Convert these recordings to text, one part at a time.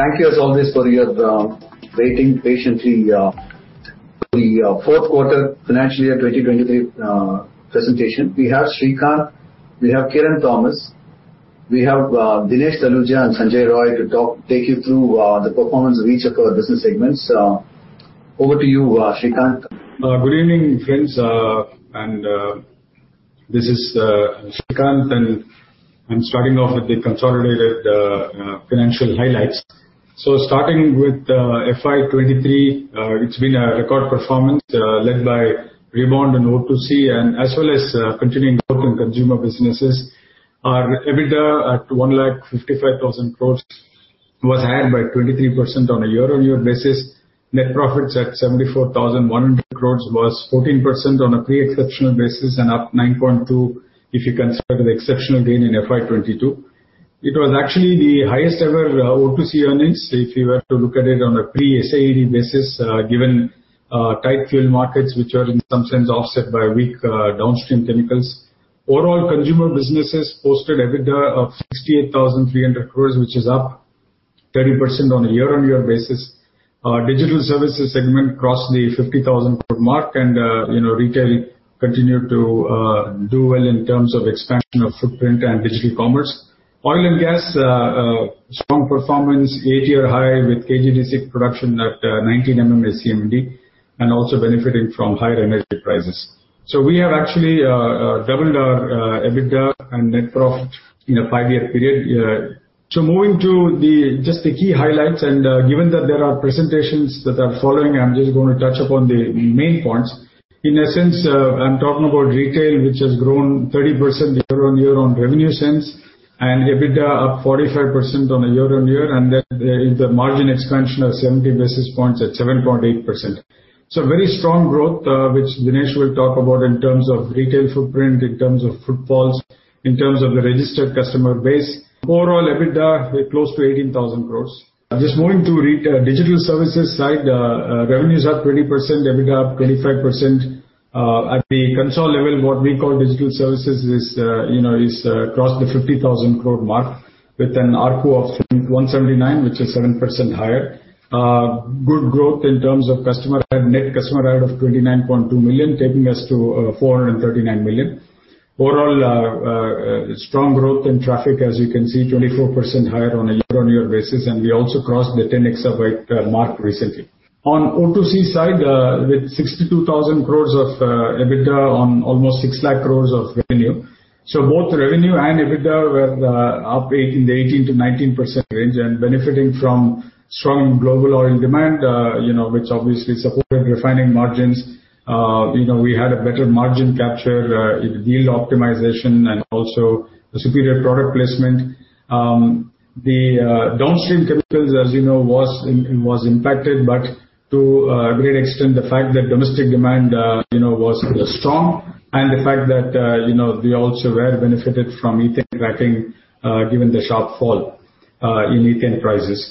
Thank you as always for your waiting patiently for the fourth quarter financial year 2023 presentation. We have Srikanth, we have Kiran Thomas, we have Dinesh Taluja and Sanjay Roy take you through the performance of each of our business segments. Over to you, Srikanth. Good evening, friends. This is Srikanth, and I'm starting off with the consolidated financial highlights. Starting with FY 2023, it's been a record performance, led by rebound in O2C and as well as continuing growth in consumer businesses. Our EBITDA at 1,55,000 crores (Indian Rupee) was high by 23% on a year-on-year basis. Net profits at 74,100 crores (Indian Rupee) was 14% on a pre-exceptional basis and up 9.2% if you consider the exceptional gain in FY 2022. It was actually the highest ever O2C earnings if you were to look at it on a pre-SAED basis, given tight fuel markets which are in some sense offset by weak downstream chemicals. Overall, consumer businesses posted EBITDA of 68,300 crore (Indian Rupee), which is up 30% on a year-on-year basis. Our Digital Services segment crossed the 50,000 crore (Indian Rupee) mark and, you know, Retail continued to do well in terms of expansion of footprint and digital commerce. Oil and gas, strong performance, eight-year high with KG D6 production at 19 MMSCFD, and also benefiting from higher energy prices. We have actually doubled our EBITDA and net profit in a five-year period. Moving to the just the key highlights and, given that there are presentations that are following, I'm just gonna touch upon the main points. In essence, I'm talking about Retail which has grown 30% year-on-year on revenue sense and EBITDA up 45% on a year-on-year, there is a margin expansion of 70 basis points at 7.8%. Very strong growth, which Dinesh will talk about in terms of Retail footprint, in terms of footfalls, in terms of the registered customer base. Overall EBITDA at close to 18,000 crore. Just moving to digital services side, revenues up 20%, EBITDA up 25%. At the console level what we call digital services is, you know, crossed the 50,000 crore mark with an ARPU of 179, which is 7% higher. Good growth in terms of customer add, net customer add of 29.2 million, taking us to 439 million. Overall, strong growth in traffic, as you can see, 24% higher on a year-on-year basis. We also crossed the 10 exabyte mark recently. On O2C side, with 62,000 crore (Indian Rupee) of EBITDA on almost 6 lakh crore (Indian Rupee) of revenue. Both revenue and EBITDA were up 18%-19% range. Benefiting from strong global oil demand, you know, which obviously supported refining margins. You know, we had a better margin capture, yield optimization and also a superior product placement. The downstream chemicals, as you know, was impacted. To a great extent the fact that domestic demand, you know, was strong. The fact that, you know, we also were benefited from ethane cracking, given the sharp fall in ethane prices.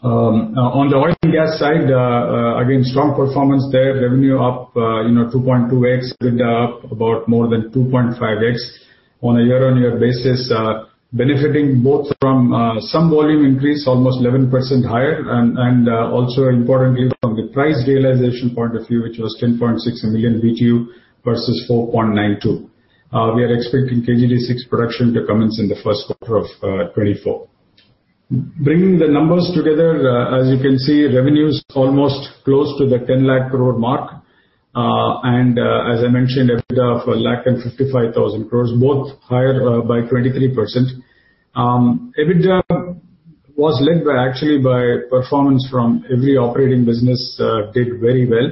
On the oil and gas side, again, strong performance there. Revenue up, you know, 2.2x, EBITDA up about more than 2.5x on a year-on-year basis, benefiting both from some volume increase almost 11% higher and also importantly from the price realization point of view, which was 10.6 MMBTU versus 4.92 MMBTU. We are expecting KG D6 production to commence in the first quarter of 2024. Bringing the numbers together, as you can see, revenue's almost close to the 10 lakh crore (Indian Rupee) mark. As I mentioned, EBITDA of 1,55,000 crore (Indian Rupee), both higher, by 23%. EBITDA was led by actually by performance from every operating business, did very well.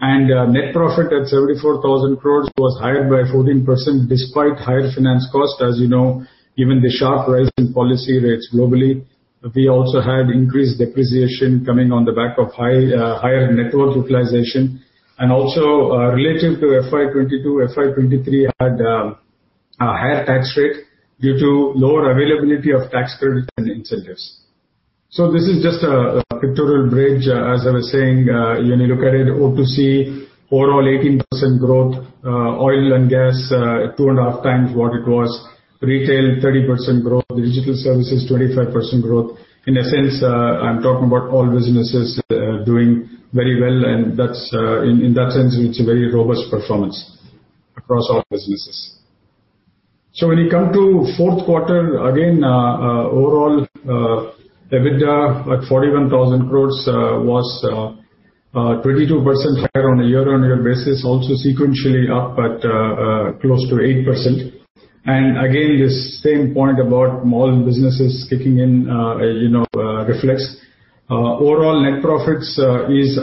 Net profit at 74,000 crores (Indian Rupee) was higher by 14% despite higher finance cost. As you know, given the sharp rise in policy rates globally, we also had increased depreciation coming on the back of high, higher network utilization. Also, relative to FY 2022, FY 2023 had a higher tax rate due to lower availability of tax credit and incentives. This is just a pictorial bridge, as I was saying, when you look at it, O2C overall 18% growth, oil and gas, 2.5x what it was. Retail, 30% growth. Digital Services, 25% growth. In a sense, I'm talking about all businesses doing very well, and in that sense it's a very robust performance across all businesses. When you come to fourth quarter, again, overall EBITDA at 41,000 crore (Indian Rupee) was 22% higher on a year-on-year basis, also sequentially up at close to 8%. Again, this same point about all businesses kicking in, you know, reflects. Overall net profits is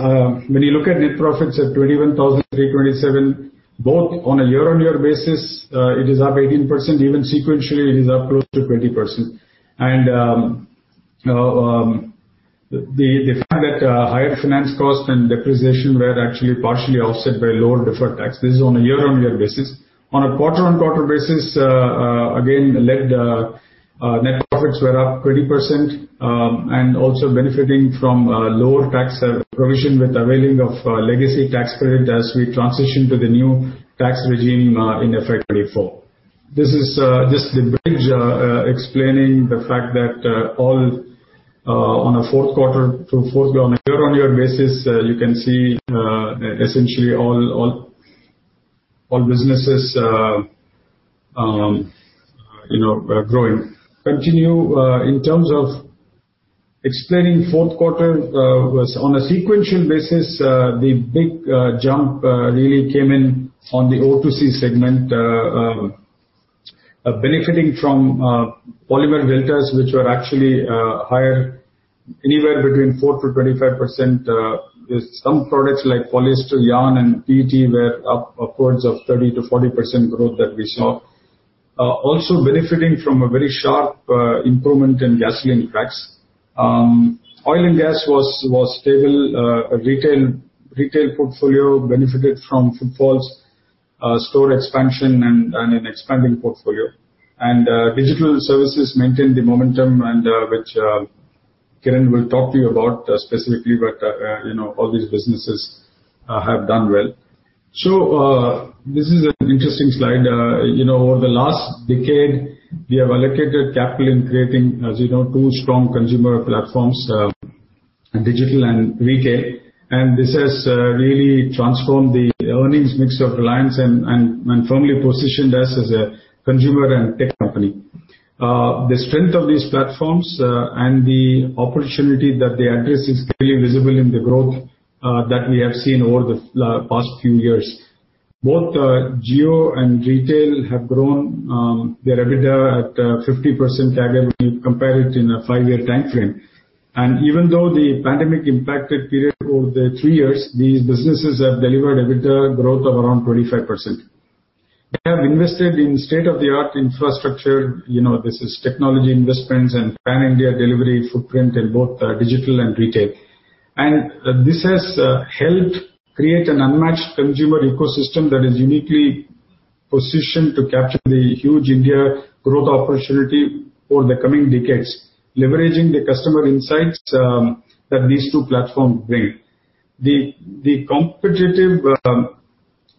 when you look at net profits at 21,327 (Indian Rupee), both on a year-on-year basis, it is up 18%, even sequentially it is up close to 20%. The fact that higher finance cost and depreciation were actually partially offset by lower deferred tax. This is on a year-on-year basis. On a quarter-on-quarter basis, again led, net profits were up 20% and also benefiting from lower tax provision with availing of legacy tax credit as we transition to the new tax regime in FY 2024. This is just the bridge explaining the fact that all. On a year-on-year basis, you can see, essentially all businesses, you know, are growing. Continue, in terms of explaining fourth quarter was on a sequential basis, the big jump really came in on the O2C segment, benefiting from polymer deltas, which were actually higher anywhere between 4%-25%. With some products like polyester yarn and PET were up upwards of 30%-40% growth that we saw. Also benefiting from a very sharp improvement in gasoline cracks. Oil and gas was stable. Retail portfolio benefited from footfalls, store expansion and an expanding portfolio. Digital Services maintained the momentum and which Kiran will talk to you about specifically, but, you know, all these businesses have done well. This is an interesting slide. You know, over the last decade, we have allocated capital in creating, as you know, two strong consumer platforms in Digital and Retail. This has really transformed the earnings mix of Reliance and firmly positioned us as a consumer and tech company. The strength of these platforms and the opportunity that they address is clearly visible in the growth that we have seen over the past few years. Both Jio and Retail have grown their EBITDA at 50% CAGR when you compare it in a five-year time frame. Even though the pandemic impacted period over the three years, these businesses have delivered EBITDA growth of around 25%. We have invested in state-of-the-art infrastructure, you know, this is technology investments and pan-India delivery footprint in both Digital and Retail. This has helped create an unmatched consumer ecosystem that is uniquely positioned to capture the huge India growth opportunity over the coming decades, leveraging the customer insights that these two platforms bring. The competitive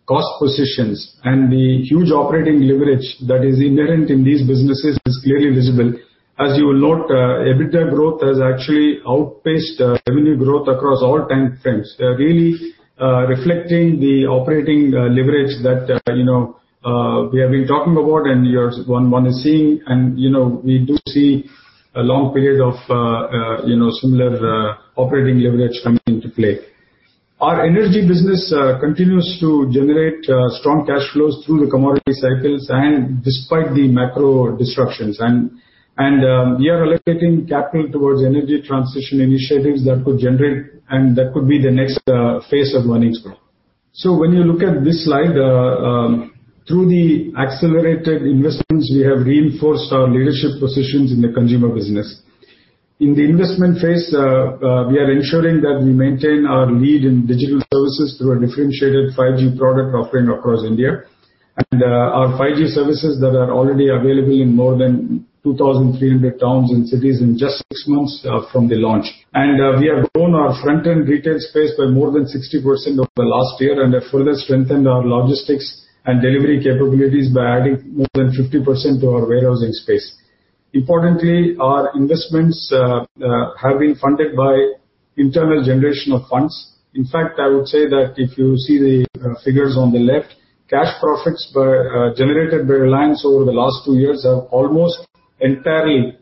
cost positions and the huge operating leverage that is inherent in these businesses is clearly visible. As you will note, EBITDA growth has actually outpaced revenue growth across all time frames. Really, reflecting the operating leverage that, you know, we have been talking about and one is seeing. You know, we do see a long period of, you know, similar operating leverage coming into play. Our energy business continues to generate strong cash flows through the commodity cycles and despite the macro disruptions. We are allocating capital towards energy transition initiatives that could generate and that could be the next phase of earnings growth. When you look at this slide, through the accelerated investments, we have reinforced our leadership positions in the consumer business. In the investment phase, we are ensuring that we maintain our lead in digital services through a differentiated 5G product offering across India. Our 5G services that are already available in more than 2,300 towns and cities in just six months from the launch. We have grown our front-end Retail space by more than 60% over the last year and have further strengthened our logistics and delivery capabilities by adding more than 50% to our warehousing space. Importantly, our investments have been funded by internal generation of funds. I would say that if you see the figures on the left, cash profits by generated by Reliance over the last two years have almost entirely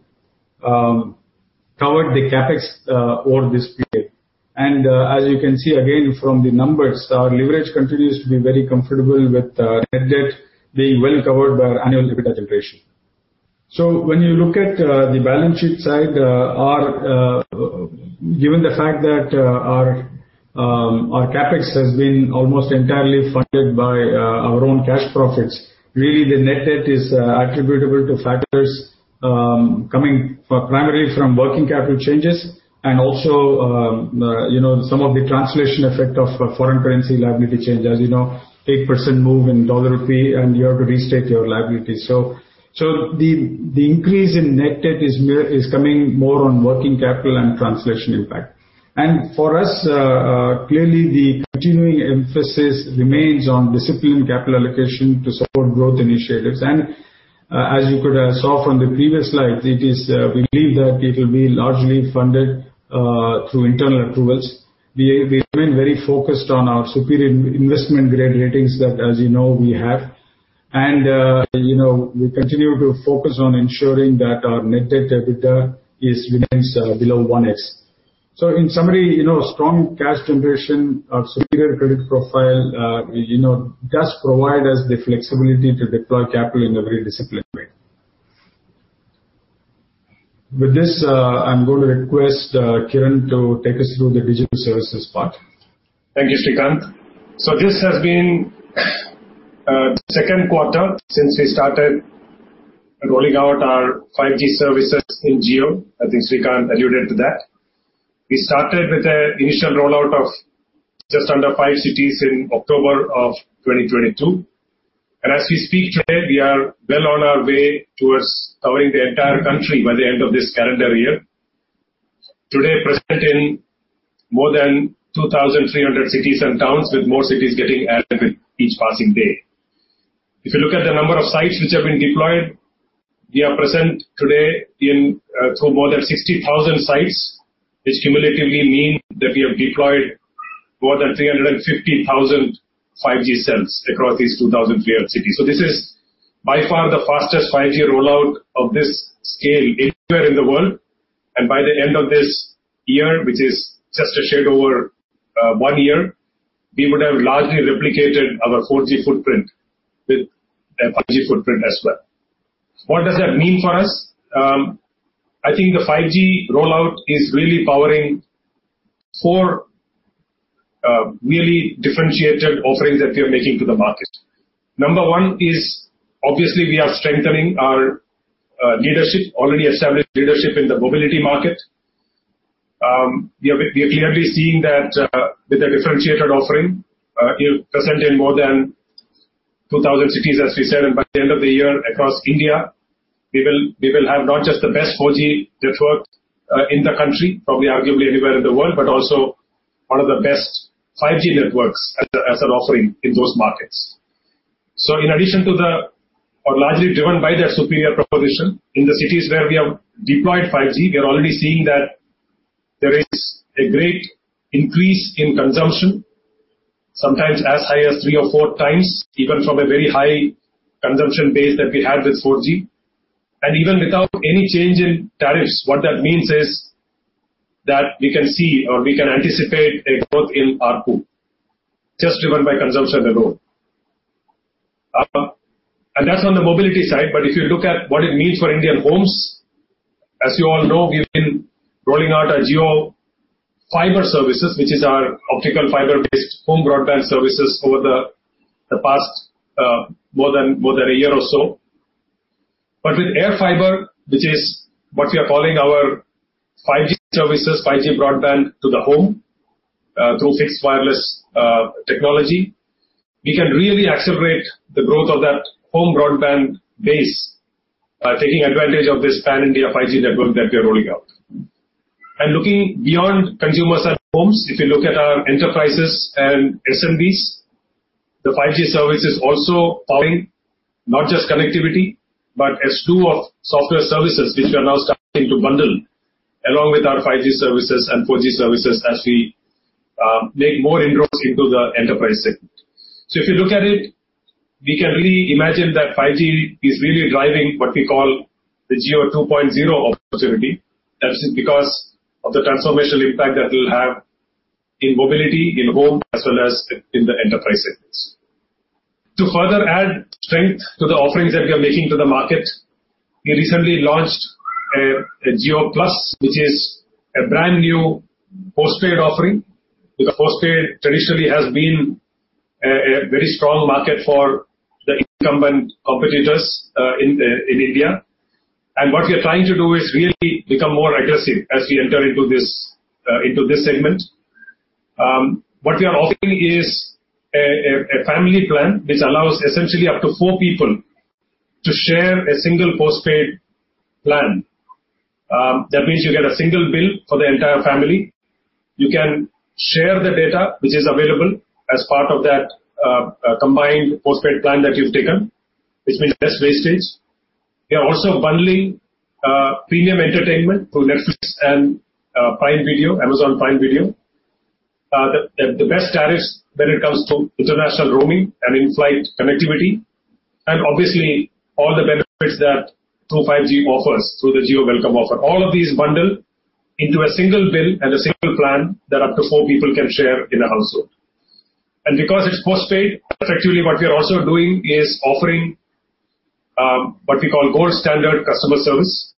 covered the CapEx over this period. As you can see again from the numbers, our leverage continues to be very comfortable with net debt being well covered by our annual EBITDA generation. When you look at the balance sheet side, our given the fact that our CapEx has been almost entirely funded by our own cash profits, really the net debt is attributable to factors coming from, primarily from working capital changes and also, you know, some of the translation effect of foreign currency liability changes. You know, 8% move in dollar rupee, you have to restate your liability. The increase in net debt is coming more on working capital and translation impact. For us, clearly the continuing emphasis remains on disciplined capital allocation to support growth initiatives. As you could saw from the previous slide, it is, we believe that it'll be largely funded through internal accruals. We remain very focused on our superior investment-grade ratings that, as you know, we have. You know, we continue to focus on ensuring that our net debt to EBITDA is remains below one X. In summary, you know, strong cash generation, a superior credit profile, you know, does provide us the flexibility to deploy capital in a very disciplined way. With this, I'm going to request Kiran to take us through the Digital Services part. Thank you, Srikanth. This has been second quarter since we started rolling out our 5G services in Jio. I think Srikanth alluded to that. We started with a initial rollout of just under five cities in October of 2022. As we speak today, we are well on our way towards covering the entire country by the end of this calendar year. Today, present in more than 2,300 cities and towns, with more cities getting added with each passing day. If you look at the number of sites which have been deployed, we are present today in through more than 60,000 sites, which cumulatively mean that we have deployed more than 350,000 5G cells across these 2,003 odd cities. This is by far the fastest 5G rollout of this scale anywhere in the world. By the end of this year, which is just a shade over one year, we would have largely replicated our 4G footprint with a 5G footprint as well. What does that mean for us? I think the 5G rollout is really powering four really differentiated offerings that we are making to the market. Number one is, obviously, we are strengthening our leadership, already established leadership in the mobility market. We have clearly seen that with a differentiated offering, present in more than 2,000 cities, as we said, and by the end of the year across India, we will have not just the best 4G network in the country, probably arguably anywhere in the world, but also one of the best 5G networks as an offering in those markets. Largely driven by their superior proposition, in the cities where we have deployed 5G, we are already seeing that there is a great increase in consumption, sometimes as high as 3x or 4x, even from a very high consumption base that we had with 4G. Even without any change in tariffs, what that means is that we can see or we can anticipate a growth in ARPU just driven by consumption alone. That's on the mobility side. If you look at what it means for Indian homes, as you all know, we've been rolling out our JioFiber services, which is our optical fiber-based home broadband services over the past more than a year or so. With JioAirFiber, which is what we are calling our 5G services, 5G broadband to the home, through fixed wireless technology, we can really accelerate the growth of that home broadband base, taking advantage of this pan-India 5G network that we are rolling out. Looking beyond consumers at homes, if you look at our enterprises and SMBs, the 5G service is also powering not just connectivity, but a slew of software services which we are now starting to bundle along with our 5G services and 4G services as we make more inroads into the enterprise segment. If you look at it, we can really imagine that 5G is really driving what we call the Jio 2.0 opportunity. That's because of the transformational impact that it'll have in mobility, in home, as well as in the enterprise segments. To further add strength to the offerings that we are making to the market, we recently launched a JioPlus, which is a brand-new postpaid offering. Postpaid traditionally has been a very strong market for the incumbent competitors in India. What we are trying to do is really become more aggressive as we enter into this segment. What we are offering is a family plan which allows essentially up to four people to share a single postpaid plan. That means you get a single bill for the entire family. You can share the data which is available as part of that combined postpaid plan that you've taken, which means less wastage. We are also bundling premium entertainment through Netflix and Prime Video, Amazon Prime Video. The best tariffs when it comes to international roaming and in-flight connectivity, and obviously all the benefits that True 5G offers through the Jio Welcome Offer. All of these bundle into a single bill and a single plan that up to four people can share in a household. Because it's postpaid, effectively what we are also doing is offering what we call gold standard customer service,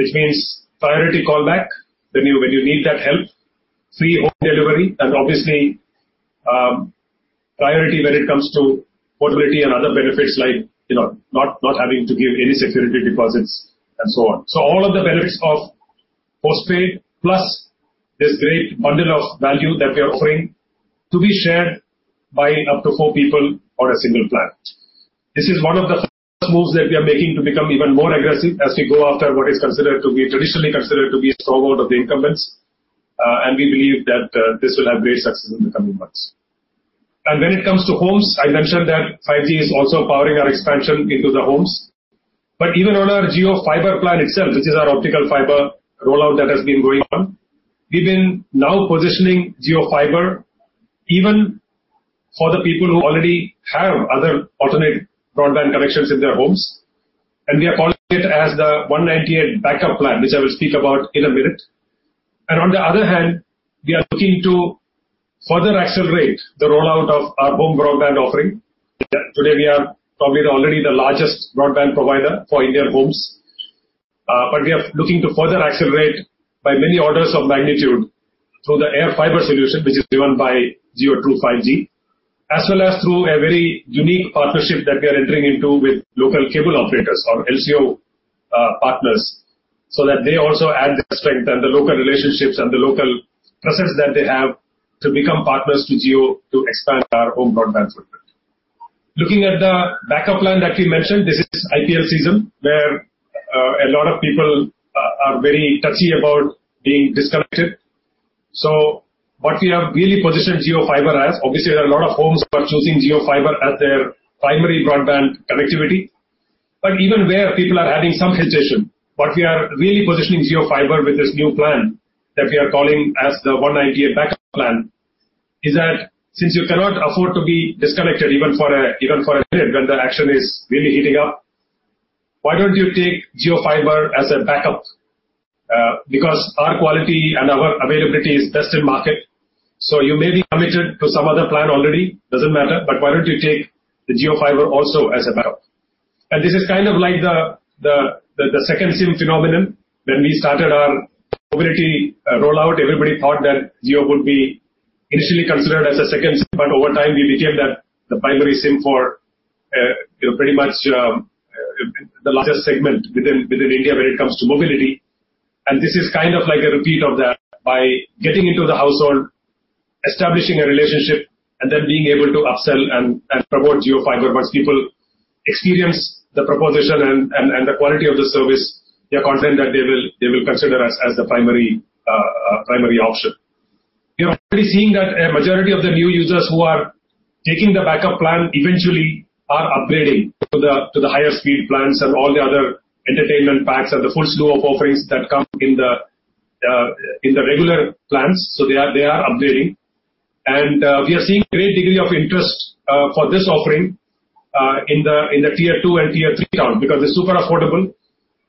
which means priority call back when you need that help, free home delivery, and obviously priority when it comes to portability and other benefits like, you know, not having to give any security deposits and so on. All of the benefits of Postpaid Plus this great bundle of value that we are offering to be shared by up to four people on a single plan. This is one of the first moves that we are making to become even more aggressive as we go after what is traditionally considered to be stronghold of the incumbents. We believe that this will have great success in the coming months. When it comes to homes, I mentioned that 5G is also powering our expansion into the homes. Even on our JioFiber plan itself, which is our optical fiber rollout that has been going on, we've been now positioning JioFiber even for the people who already have other alternate broadband connections in their homes. We are calling it as the 198 Backup plan, which I will speak about in a minute. On the other hand, we are looking to further accelerate the rollout of our home broadband offering. Today we are probably already the largest broadband provider for Indian homes. We are looking to further accelerate by many orders of magnitude through the JioAirFiber solution, which is driven by Jio True 5G, as well as through a very unique partnership that we are entering into with local cable operators or LCO partners, so that they also add the strength and the local relationships and the local presence that they have to become partners with Jio to expand our home broadband footprint. Looking at the Backup plan that we mentioned, this is IPL season, where a lot of people are very touchy about being disconnected. What we have really positioned JioFiber as, obviously, there are lot of homes are choosing JioFiber as their primary broadband connectivity. Even where people are having some hesitation, what we are really positioning JioFiber with this new plan that we are calling as the 198 Backup plan, is that since you cannot afford to be disconnected even for a minute when the action is really heating up, why don't you take JioFiber as a backup? Because our quality and our availability is best in market. You may be committed to some other plan already, doesn't matter, but why don't you take the JioFiber also as a backup. This is kind of like the second SIM phenomenon. When we started our mobility rollout, everybody thought that Jio would be initially considered as a second SIM, but over time, we became the primary SIM for, you know, pretty much the largest segment within India when it comes to mobility. This is kind of like a repeat of that by getting into the household, establishing a relationship, and then being able to upsell and promote JioFiber. Once people experience the proposition and the quality of the service, they are confident that they will consider us as the primary option. We are already seeing that a majority of the new users who are taking the Backup plan eventually are upgrading to the higher speed plans and all the other entertainment packs and the full slew of offerings that come in the regular plans. They are upgrading. We are seeing great degree of interest for this offering in the tier two and tier three town because it's super affordable.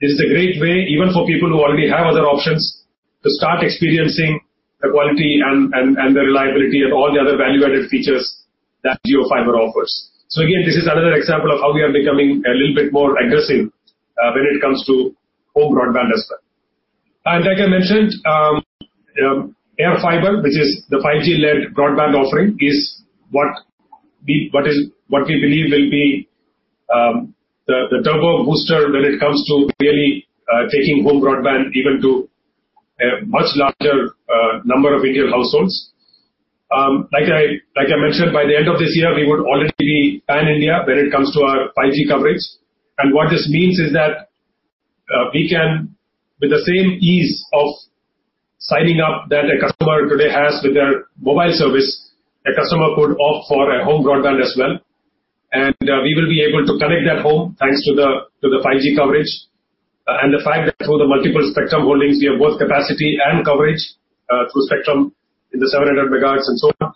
This is a great way, even for people who already have other options, to start experiencing the quality and the reliability and all the other value-added features that JioFiber offers. Again, this is another example of how we are becoming a little bit more aggressive when it comes to home broadband as well. Like I mentioned, JioAirFiber, which is the 5G-led broadband offering, is what we believe will be the turbo booster when it comes to really taking home broadband even to a much larger number of Indian households. Like I mentioned, by the end of this year, we would already be pan-India when it comes to our 5G coverage. What this means is that we can, with the same ease of signing up that a customer today has with their mobile service, a customer could opt for a home broadband as well. We will be able to connect that home, thanks to the 5G coverage. The fact that through the multiple spectrum holdings, we have both capacity and coverage, through spectrum in the 700 MHz and so on.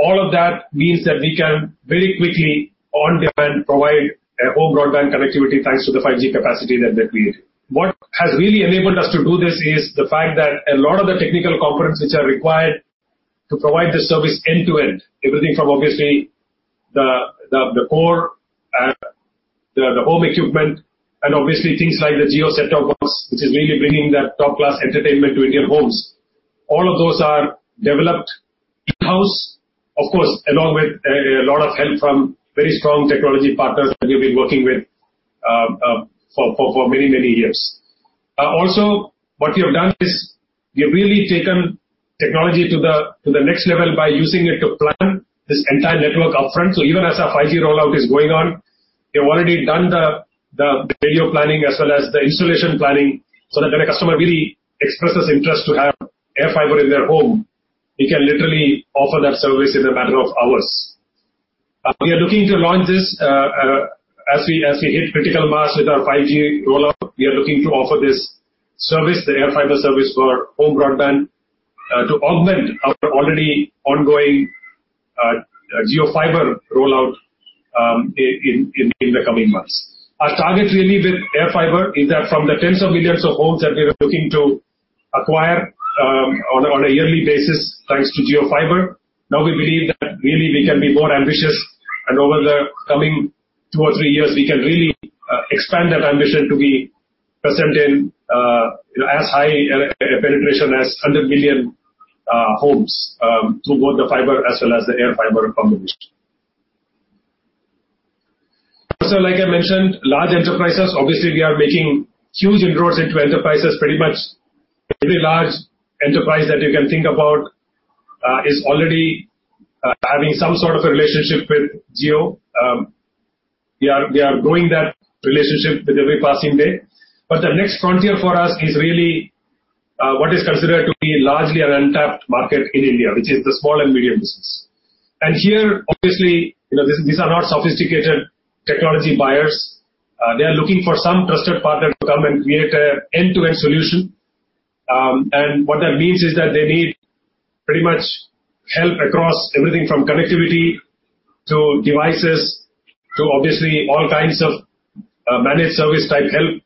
All of that means that we can very quickly, on-demand, provide a home broadband connectivity, thanks to the 5G capacity that we have. What has really enabled us to do this is the fact that a lot of the technical components which are required to provide this service end-to-end, everything from obviously the core, the home equipment, and obviously things like the Jio Set Top Box, which is really bringing that top-class entertainment to Indian homes. All of those are developed in-house. Of course, along with a lot of help from very strong technology partners that we've been working with for many years. Also, what we have done is we have really taken technology to the next level by using it to plan this entire network upfront. Even as our 5G rollout is going on, we have already done the radio planning as well as the installation planning, so that when a customer really expresses interest to have JioAirFiber in their home, we can literally offer that service in a matter of hours. We are looking to launch this as we hit critical mass with our 5G rollout. We are looking to offer this service, the JioAirFiber service for home broadband, to augment our already ongoing JioFiber rollout in the coming months. Our target really with JioAirFiber is that from the tens of millions of homes that we are looking to acquire, on a yearly basis, thanks to JioFiber, now we believe that really we can be more ambitious and over the coming two or three years, we can really expand that ambition to be present in as high a penetration as 100 million homes through both the JioFiber as well as the JioAirFiber combination. Like I mentioned, large enterprises, obviously, we are making huge inroads into enterprises. Pretty much every large enterprise that you can think about is already having some sort of a relationship with Jio. We are growing that relationship with every passing day. The next frontier for us is really what is considered to be largely an untapped market in India, which is the small and medium business. Here, obviously, you know, these are not sophisticated technology buyers. They are looking for some trusted partner to come and create an end-to-end solution. What that means is that they need pretty much help across everything from connectivity to devices to obviously all kinds of managed service type help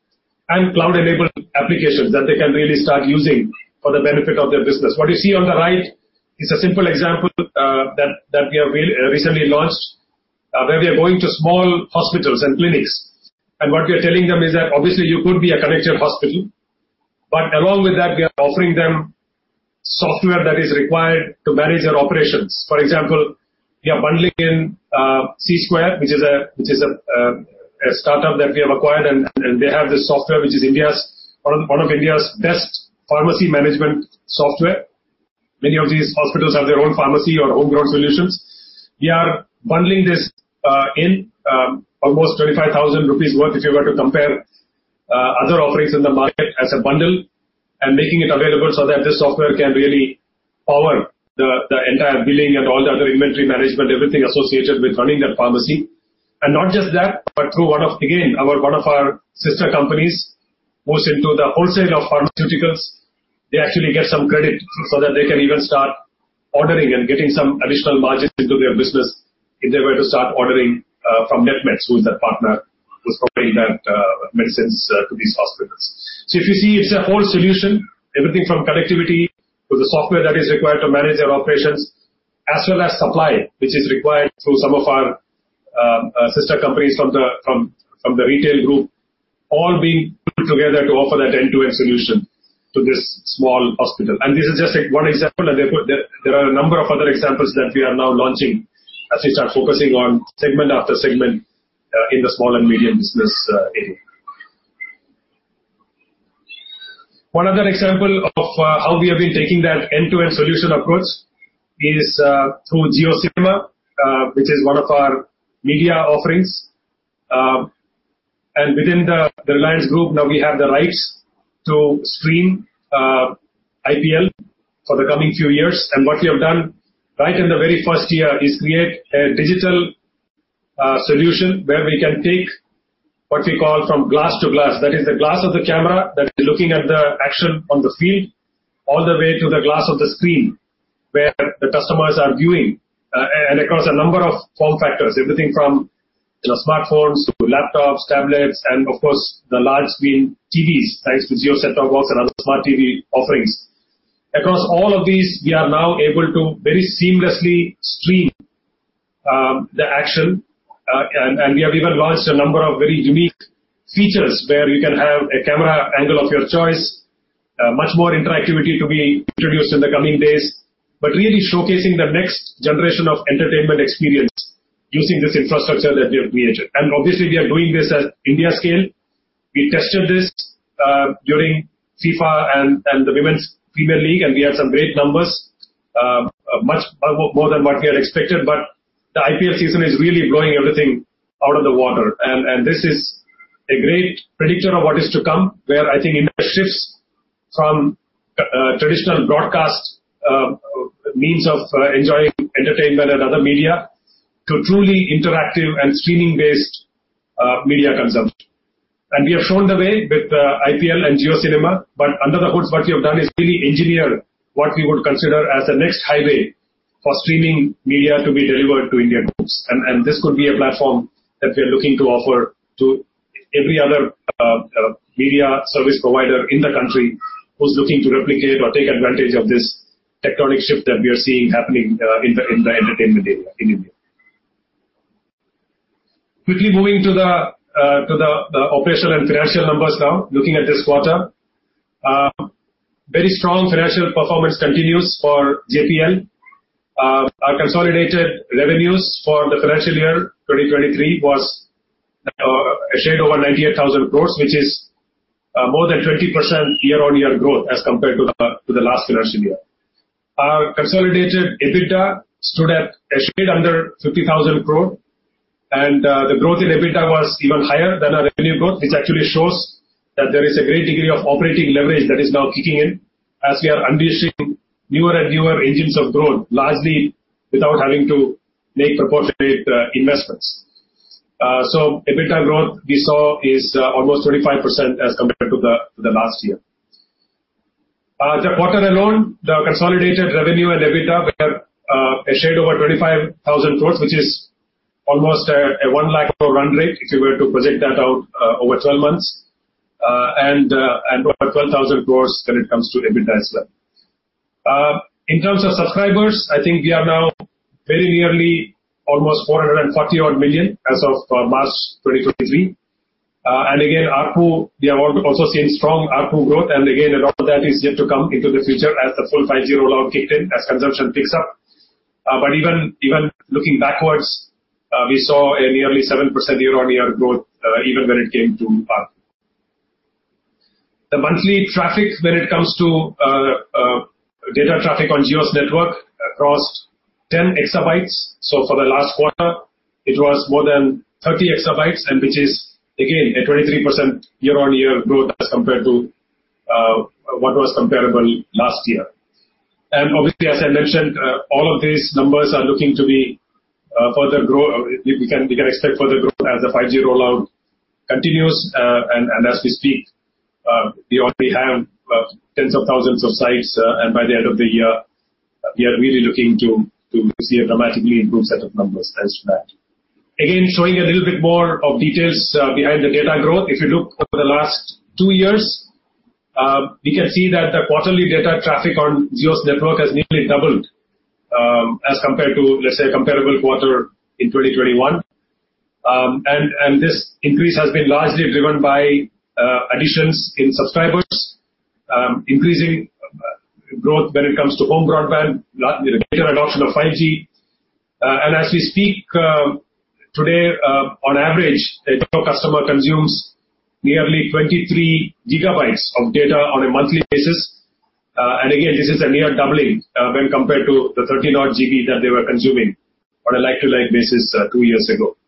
and cloud-enabled applications that they can really start using for the benefit of their business. What you see on the right is a simple example that we have recently launched, where we are going to small hospitals and clinics. What we are telling them is that obviously you could be a connected hospital, but along with that, we are offering them software that is required to manage their operations. For example, we are bundling in C-Square, which is a startup that we have acquired, and they have this software, which is one of India's best pharmacy management software. Many of these hospitals have their own pharmacy or homegrown solutions. We are bundling this in almost 25,000 (Indian Rupee) worth, if you were to compare other offerings in the market as a bundle and making it available so that this software can really power the entire billing and all the other inventory management, everything associated with running that pharmacy. Not just that, but through one of our sister companies who's into the wholesale of pharmaceuticals, they actually get some credit so that they can even start ordering and getting some additional margins into their business if they were to start ordering from Netmeds, who is their partner, who's providing that medicines to these hospitals. If you see, it's a whole solution, everything from connectivity to the software that is required to manage their operations, as well as supply, which is required through some of our sister companies from the Retail group, all being put together to offer that end-to-end solution to this small hospital. This is just one example, and there could...there are a number of other examples that we are now launching as we start focusing on segment after segment in the small and medium business area. One other example of how we have been taking that end-to-end solution approach is through JioCinema, which is one of our media offerings. Within the Reliance group, now we have the rights to stream IPL for the coming few years. What we have done right in the very first year is create a digital solution where we can take what we call from glass to glass. That is the glass of the camera that is looking at the action on the field, all the way to the glass of the screen where the customers are viewing. Across a number of form factors, everything from, you know, smartphones to laptops, tablets, and of course, the large screen TVs, thanks to Jio Set Top Box and other smart TV offerings. Across all of these, we are now able to very seamlessly stream the action. We have even launched a number of very unique features where you can have a camera angle of your choice, much more interactivity to be introduced in the coming days. Really showcasing the next generation of entertainment experience using this infrastructure that we have created. Obviously, we are doing this at India scale. We tested this during FIFA and the Women's Premier League, and we had some great numbers, much more than what we had expected. The IPL season is really blowing everything out of the water. This is a great predictor of what is to come, where I think India shifts from traditional broadcast means of enjoying entertainment and other media to truly interactive and streaming-based media consumption. We have shown the way with IPL and JioCinema, but under the hoods, what we have done is really engineer what we would consider as the next highway for streaming media to be delivered to Indian homes. This could be a platform that we are looking to offer to every other media service provider in the country who's looking to replicate or take advantage of this tectonic shift that we are seeing happening in the entertainment area in India. Quickly moving to the operational and financial numbers now, looking at this quarter. Very strong financial performance continues for JPL. Our consolidated revenues for the financial year 2023 was a shade over 98,000 crore (Indian Rupee), which is more than 20% year-on-year growth as compared to the last financial year. Our consolidated EBITDA stood at a shade under 50,000 crore (Indian Rupee). The growth in EBITDA was even higher than our revenue growth, which actually shows that there is a great degree of operating leverage that is now kicking in as we are unleashing newer and newer engines of growth, largely without having to make proportionate investments. EBITDA growth we saw is almost 25% as compared to the last year. The quarter alone, the consolidated revenue and EBITDA were a shade over 25,000 crores (Indian Rupee), which is almost a 1 lakh crore run rate if you were to project that out over 12 months. Over 12,000 crores (Indian Rupee) when it comes to EBITDA as well. In terms of subscribers, I think we are now very nearly almost 440 odd million as of March 2023. ARPU, we have also seen strong ARPU growth. A lot of that is yet to come into the future as the full 5G rollout kicked in, as consumption picks up. Even looking backwards, we saw a nearly 7% year-on-year growth, even when it came to ARPU. The monthly traffic when it comes to data traffic on Jio's network crossed 10 exabytes. For the last quarter, it was more than 30 exabytes and which is again a 23% year-on-year growth as compared to what was comparable last year. Obviously, as I mentioned, all of these numbers are looking to be we can expect further growth as the 5G rollout continues. As we speak, we already have tens of thousands of sites. By the end of the year, we are really looking to see a dramatically improved set of numbers thanks to that. Again, showing a little bit more of details behind the data growth. If you look over the last two years, we can see that the quarterly data traffic on Jio's network has nearly doubled, as compared to, let's say, a comparable quarter in 2021. This increase has been largely driven by additions in subscribers, increasing growth when it comes to home broadband, you know, greater adoption of 5G, and as we speak today, on average, a Jio customer consumes nearly 23 GB of data on a monthly basis. Again, this is a near doubling when compared to the 13 odd GB that they were consuming on a like-to-like basis two years ago.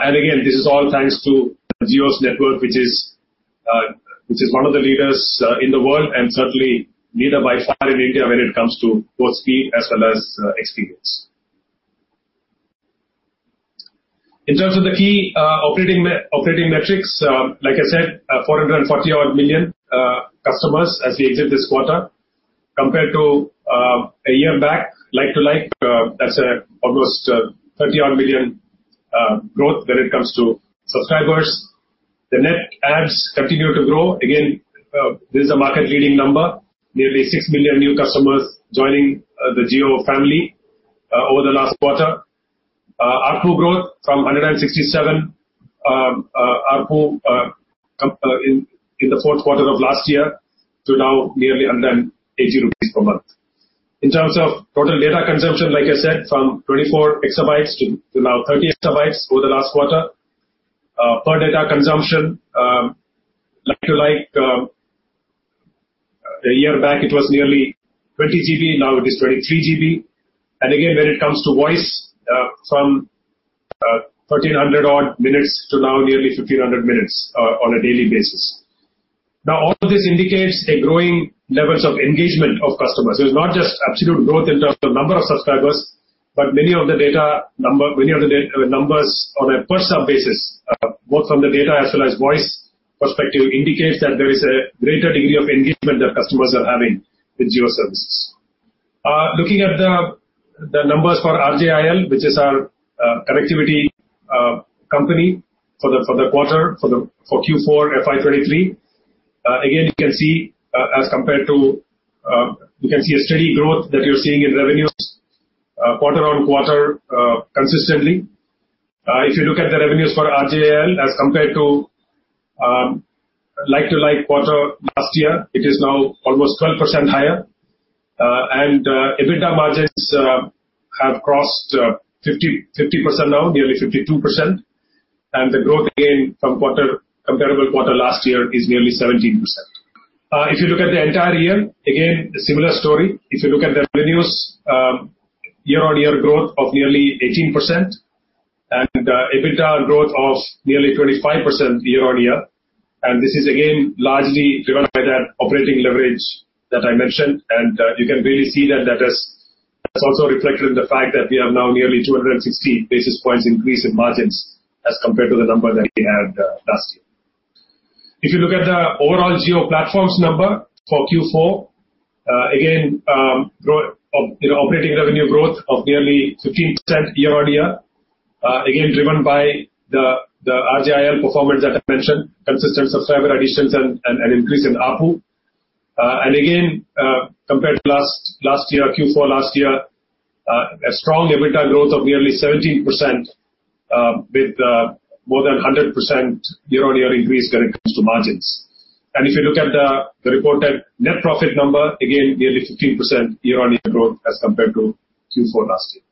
Again, this is all thanks to Jio's network, which is one of the leaders in the world and certainly leader by far in India when it comes to both speed as well as experience. In terms of the key operating metrics, like I said, 440 odd million customers as we exit this quarter compared to a year back, like-to-like, that's almost 30 odd million growth when it comes to subscribers. The net adds continue to grow. Again, this is a market-leading number. Nearly 6 million new customers joining the Jio family over the last quarter. ARPU growth from 167 (Indian Rupee) ARPU in the fourth quarter of last year to now nearly 180 rupees (Indian Rupee) per month. In terms of total data consumption, like I said, from 24 exabytes to now 30 exabytes over the last quarter. per data consumption, like-to-like, a year back it was nearly 20 GB, now it is 23 GB. Again, when it comes to voice, from 1,300 odd minutes to now nearly 1,500 minutes on a daily basis. All of this indicates a growing levels of engagement of customers. It's not just absolute growth in terms of number of subscribers, but many of the data numbers on a per sub basis, both from the data as well as voice perspective, indicates that there is a greater degree of engagement that customers are having with Jio services. Looking at the numbers for RJIL, which is our connectivity company for the, for the quarter, for the, for Q4 FY 2023. Again, you can see a steady growth that you're seeing in revenues quarter-on-quarter consistently. If you look at the revenues for RJIL as compared to like-to-like quarter last year, it is now almost 12% higher. And EBITDA margins have crossed 50% now, nearly 52%. And the growth again from quarter, comparable quarter last year is nearly 17%. If you look at the entire year, again, a similar story. If you look at the revenues, year-on-year growth of nearly 18% and EBITDA growth of nearly 25% year-on-year. This is again, largely driven by that operating leverage that I mentioned. You can really see that that has also reflected in the fact that we have now nearly 260 basis points increase in margins as compared to the number that we had last year. If you look at the overall Jio Platforms number for Q4, again, you know, operating revenue growth of nearly 15% year-on-year, again, driven by the RJIL performance that I mentioned, consistent subscriber additions and an increase in ARPU. Again, compared to last year, Q4 last year, a strong EBITDA growth of nearly 17%, with more than 100% year-on-year increase when it comes to margins. If you look at the reported net profit number, again, nearly 15% year-on-year growth as compared to Q4 last year.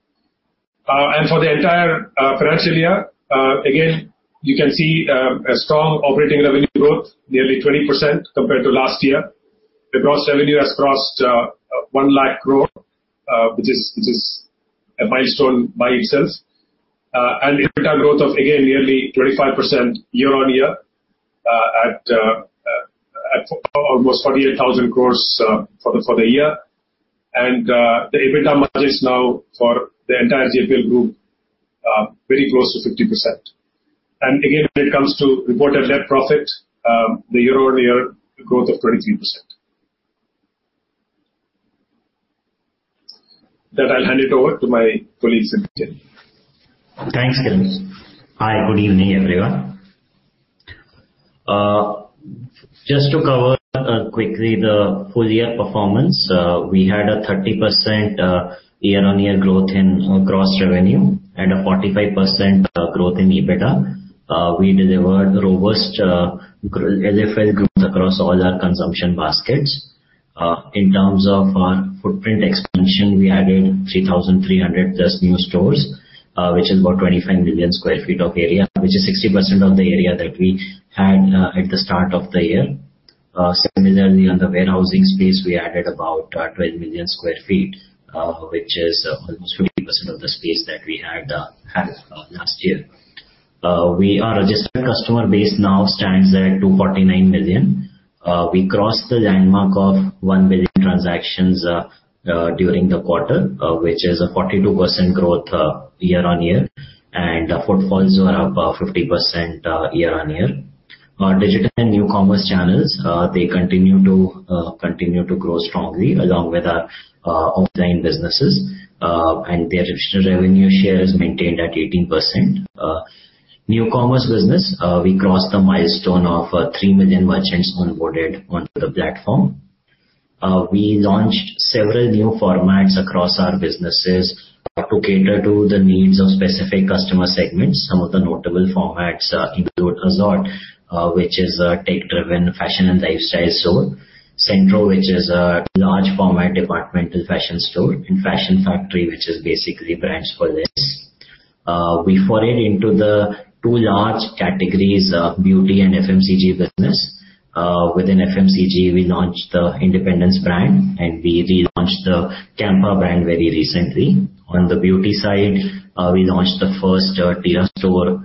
For the entire financial year, again, you can see a strong operating revenue growth, nearly 20% compared to last year. The gross revenue has crossed 1 lakh crore, which is a milestone by itself. EBITDA growth of again, nearly 25% year-on-year, at almost 48,000 crores (Indian Rupee) for the year. The EBITDA margin is now for the entire JPL group, very close to 50%. Again, when it comes to reported net profit, the year-on-year growth of 23%. With that I'll hand it over to my colleague, Dinesh. Thanks, Kiran. Hi, good evening, everyone. Just to cover quickly the full year performance. We had a 30% year on year growth in gross revenue and a 45% growth in EBITDA. We delivered robust LFL growth across all our consumption baskets. In terms of our footprint expansion, we added 3,300+ new stores, which is about 25 million sq ft of area, which is 60% of the area that we had at the start of the year. Similarly, on the warehousing space, we added about 12 million sq ft, which is almost 50% of the space that we had last year. Our registered customer base now stands at 249 million. We crossed the landmark of 1 million transactions during the quarter, which is a 42% growth year-on-year. And our footfalls were up 50% year-on-year. Our digital and New Commerce channels, they continue to grow strongly along with our offline businesses. And their additional revenue share is maintained at 18%. New Commerce business, we crossed the milestone of 3 million merchants onboarded onto the platform. We launched several new formats across our businesses to cater to the needs of specific customer segments. Some of the notable formats include AZORTE, which is a tech driven Fashion & Lifestyle store. Centro, which is a large format departmental fashion store, and Fashion Factory, which is basically brands for less. We forayed into the two large categories of beauty and FMCG business. Within FMCG, we launched the Independence brand, and we relaunched the Campa brand very recently. On the beauty side, we launched the first Tira store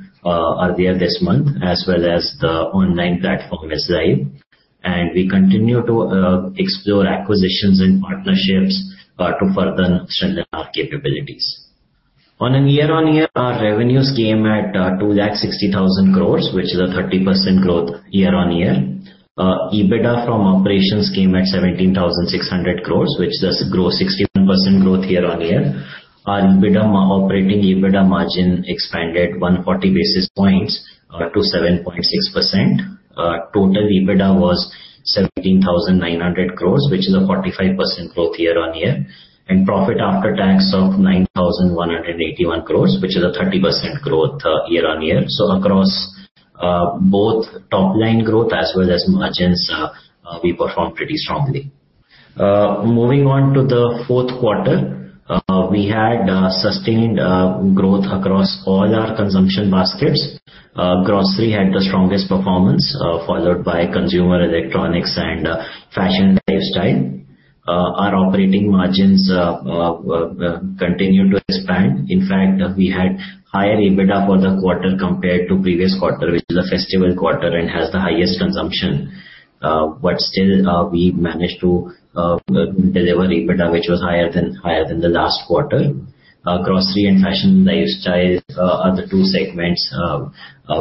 earlier this month, as well as the online platform as well. We continue to explore acquisitions and partnerships to further strengthen our capabilities. On an year-on-year, our revenues came at 260,000 crore (Indian Rupee), which is a 30% growth year-on-year. EBITDA from operations came at 17,600 crore (Indian Rupee), which does grow 61% growth year-on-year. Our operating EBITDA margin expanded 140 basis points to 7.6%. Total EBITDA was 17,900 crores (Indian Rupee), which is a 45% growth year-on-year. Profit after tax of 9,181 crores (Indian Rupee), which is a 30% growth year-on-year. Across both top-line growth as well as margins, we performed pretty strongly. Moving on to the fourth quarter. We had sustained growth across all our consumption baskets. Grocery had the strongest performance, followed by consumer electronics and Fashion & Lifestyle. Our operating margins continued to expand. In fact, we had higher EBITDA for the quarter compared to previous quarter, which is a festival quarter and has the highest consumption. Still, we managed to deliver EBITDA, which was higher than the last quarter. Grocery and Fashion & Lifestyle are the two segments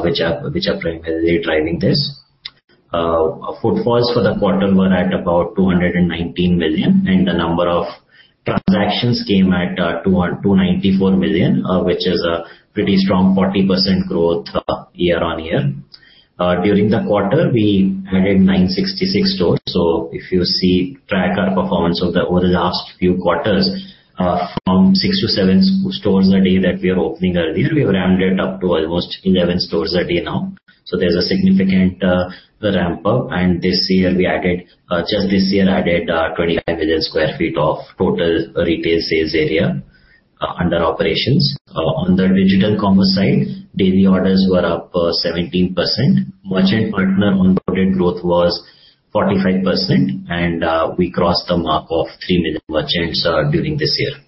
which are primarily driving this. Footfalls for the quarter were at about 219 million, and the number of transactions came at 294 million, which is a pretty strong 40% growth year-on-year. During the quarter, we added 966 stores. If you track our performance over the last few quarters, from six to seven stores a day that we are opening earlier, we've ramped it up to almost 11 stores a day now. There's a significant ramp up. This year we added, just this year added, 25 million sq ft of total Retail sales area under operations. On the digital commerce side, daily orders were up 17%. Merchant partner onboarding growth was 45%, we crossed the mark of 3 million merchants during this year.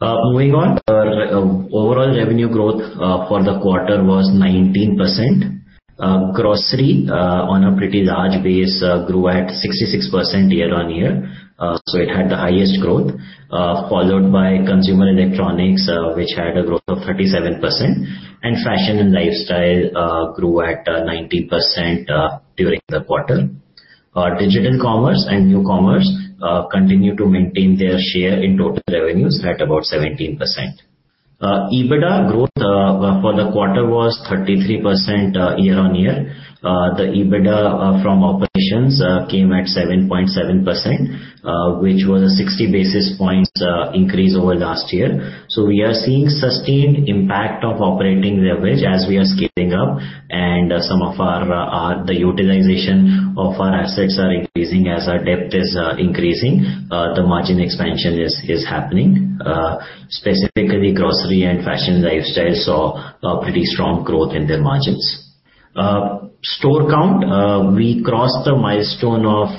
Moving on. Our overall revenue growth for the quarter was 19%. Grocery on a pretty large base grew at 66% year-on-year, so it had the highest growth. Followed by consumer electronics, which had a growth of 37%. Fashion & Lifestyle grew at 19% during the quarter. Our digital commerce and New Commerce continue to maintain their share in total revenues at about 17%. EBITDA growth for the quarter was 33% year-on-year. The EBITDA from operations came at 7.7%, which was a 60 basis points increase over last year. We are seeing sustained impact of operating leverage as we are scaling up. The utilization of our assets are increasing as our depth is increasing. The margin expansion is happening. Specifically, grocery and fashion lifestyle saw pretty strong growth in their margins. Store count. We crossed the milestone of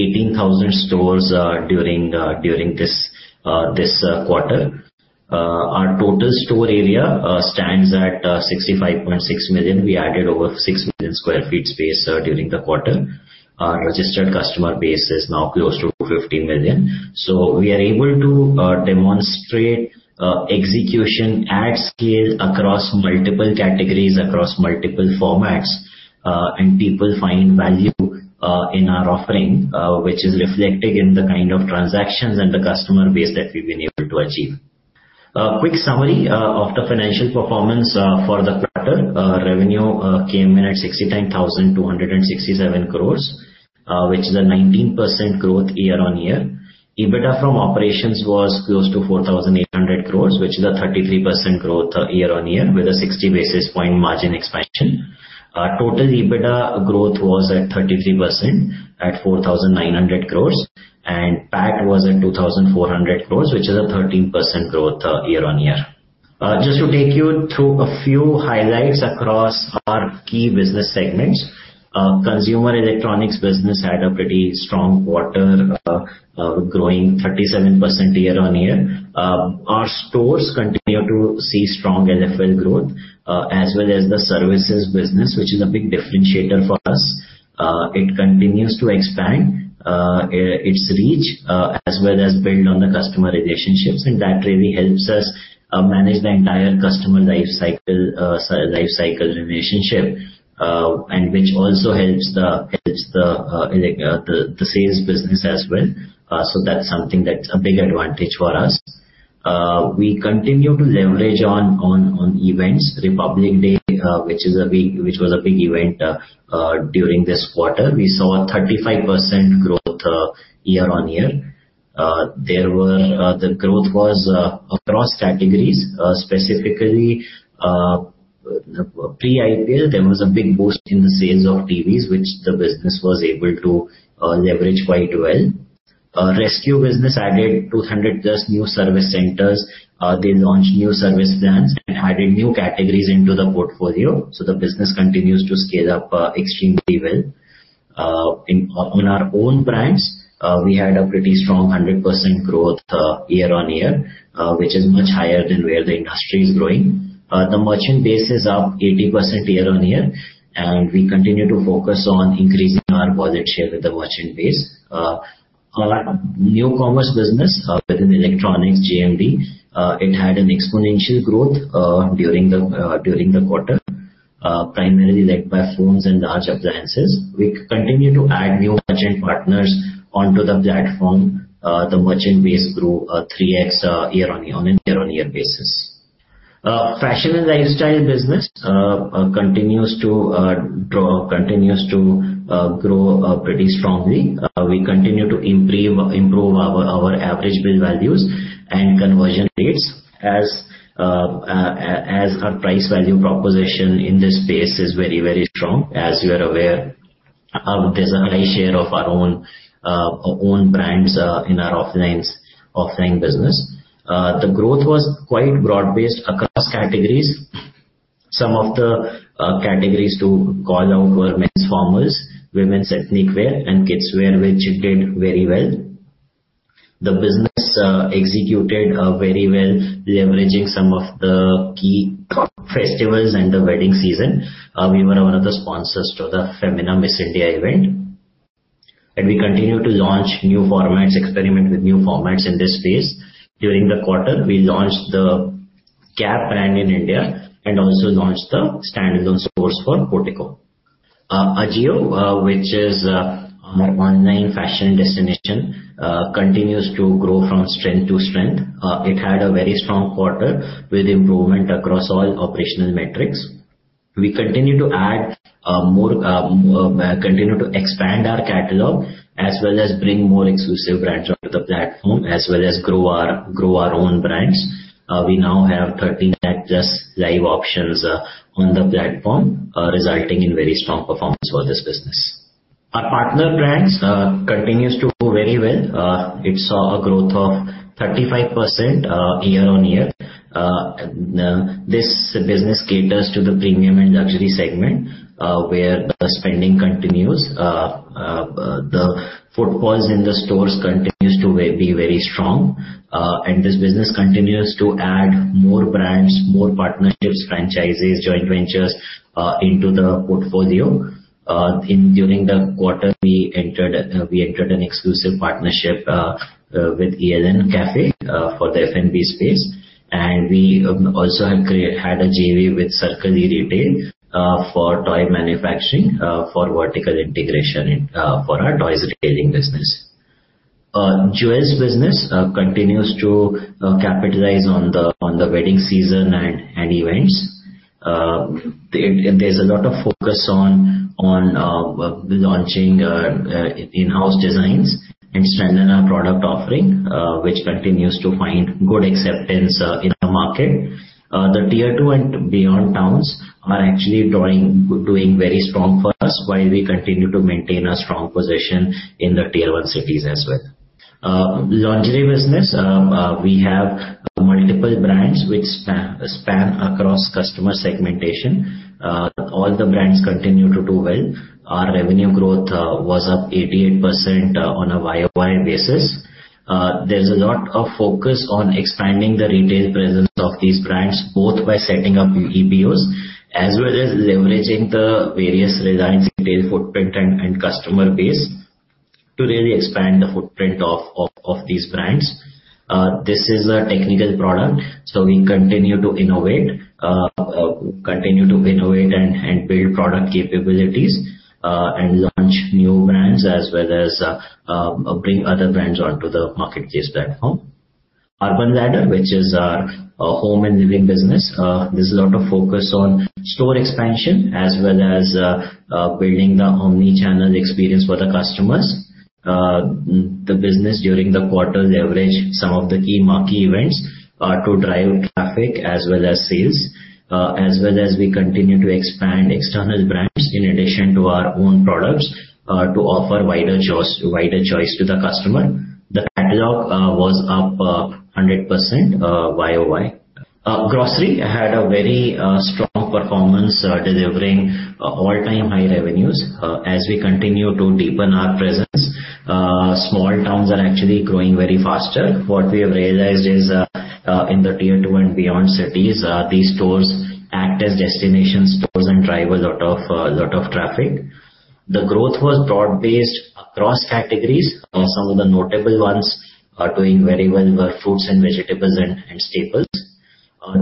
18,000 stores during this quarter. Our total store area stands at 65.6 million sq ft. We added over 6 million sq ft space during the quarter. Our registered customer base is now close to 15 million. We are able to demonstrate execution at scale across multiple categories, across multiple formats. People find value in our offering, which is reflecting in the kind of transactions and the customer base that we've been able to achieve. A quick summary of the financial performance for the quarter. Revenue came in at 69,267 crores, which is a 19% growth year-on-year. EBITDA from operations was close to 4,800 crores (Indian Rupee), which is a 33% growth year-on-year with a 60 basis point margin expansion. Our total EBITDA growth was at 33% at 4,900 crores (Indian Rupee), and PAT was at 2,400 crores (Indian Rupee), which is a 13% growth year-on-year. Just to take you through a few highlights across our key business segments. Consumer electronics business had a pretty strong quarter, growing 37% year-on-year. Our stores continue to see strong LFL growth, as well as the services business, which is a big differentiator for us. It continues to expand its reach, as well as build on the customer relationships. That really helps us manage the entire customer lifecycle relationship, and which also helps the sales business as well. That's something that's a big advantage for us. We continue to leverage on events. Republic Day, which was a big event, during this quarter. We saw a 35% growth, year-on-year. There were, the growth was across categories, specifically, Pre-IPL, there was a big boost in the sales of TVs, which the business was able to leverage quite well. resQ business added 200+ new service centers. They launched new service plans and added new categories into the portfolio. The business continues to scale up extremely well. In, on our own brands, we had a pretty strong 100% growth year-on-year, which is much higher than where the industry is growing. The merchant base is up 80% year-on-year, and we continue to focus on increasing our wallet share with the merchant base. Our New Commerce business, within electronics, JMD, it had an exponential growth during the quarter, primarily led by phones and large appliances. We continue to add new merchant partners onto the platform. The merchant base grew 3x year-on-year, on a year-on-year basis. Fashion & Lifestyle business continues to grow pretty strongly. We continue to improve our average bill values and conversion rates as our price value proposition in this space is very, very strong. As you are aware, there's a high share of our own brands in our offline business. The growth was quite broad-based across categories. Some of the categories to call out were men's formals, women's ethnic wear, and kids wear, which did very well. The business executed very well, leveraging some of the key festivals and the wedding season. We were one of the sponsors to the Femina Miss India event. We continue to launch new formats, experiment with new formats in this space. During the quarter, we launched the Campa brand in India and also launched the standalone stores for Portico. AJIO, which is our online fashion destination, continues to grow from strength to strength. It had a very strong quarter with improvement across all operational metrics. We continue to add more, continue to expand our catalog, as well as bring more exclusive brands onto the platform, as well as grow our own brands. We now have 13+ live options on the platform, resulting in very strong performance for this business. Our partner brands continues to do very well. It saw a growth of 35% year-on-year. This business caters to the premium and luxury segment, where the spending continues. The footfalls in the stores continues to be very strong. This business continues to add more brands, more partnerships, franchises, joint ventures, into the portfolio. During the quarter, we entered an exclusive partnership with EL&N Cafe, for the F&B space. We also had a JV with Circle E Retail, for toy manufacturing, for vertical integration in for our toys retailing business. Jewels business continues to capitalize on the wedding season and events. There's a lot of focus on launching in-house designs and strengthening our product offering, which continues to find good acceptance in the market. The Tier 2 and beyond towns are actually doing very strong for us while we continue to maintain a strong position in the Tier 1 cities as well. Lingerie business, we have multiple brands which span across customer segmentation. All the brands continue to do well. Our revenue growth was up 88% on a YoY basis. There's a lot of focus on expanding the Retail presence of these brands, both by setting up EBOs as well as leveraging the various Reliance Retail footprint and customer base to really expand the footprint of these brands. This is a technical product. We continue to innovate and build product capabilities and launch new brands, as well as bring other brands onto the Marketplace platform. Urban Ladder, which is our home and living business. There's a lot of focus on store expansion as well as building the omni-channel experience for the customers. The business during the quarter leveraged some of the key marquee events to drive traffic as well as sales, as well as we continue to expand external brands in addition to our own products to offer wider choice to the customer. The catalog was up 100% YoY. Grocery had a very strong performance, delivering all-time high revenues. As we continue to deepen our presence, small towns are actually growing very faster. What we have realized is in the tier two and beyond cities, these stores act as destination stores and drive a lot of traffic. The growth was broad-based across categories. Some of the notable ones doing very well were fruits and vegetables and staples.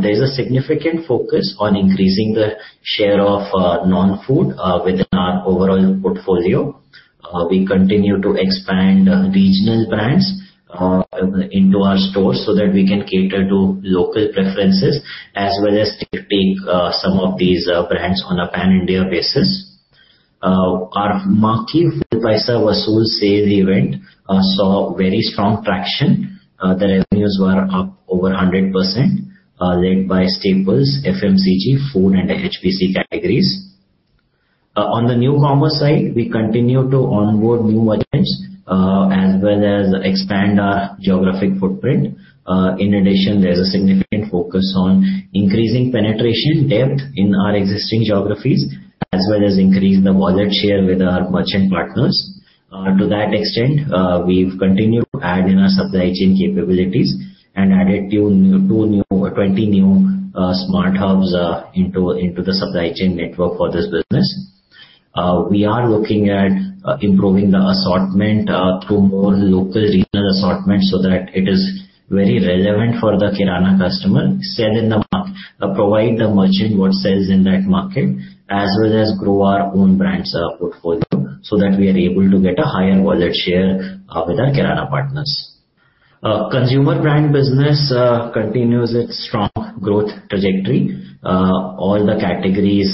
There's a significant focus on increasing the share of non-food within our overall portfolio. We continue to expand regional brands into our stores so that we can cater to local preferences as well as to take some of these brands on a pan-India basis. Our marquee Full Paisa Vasool sale event saw very strong traction. The revenues were up over 100% led by staples, FMCG, food and HPC categories. On the New Commerce side, we continue to onboard new merchants as well as expand our geographic footprint. In addition, there's a significant focus on increasing penetration depth in our existing geographies as well as increase the wallet share with our merchant partners. To that extent, we've continued to add in our supply chain capabilities and added 20 new smart hubs into the supply chain network for this business. We are looking at improving the assortment to more local regional assortments so that it is very relevant for the kirana customer, provide the merchant what sells in that market, as well as grow our own brands portfolio so that we are able to get a higher wallet share with our kirana partners. Our consumer brand business continues its strong growth trajectory. All the categories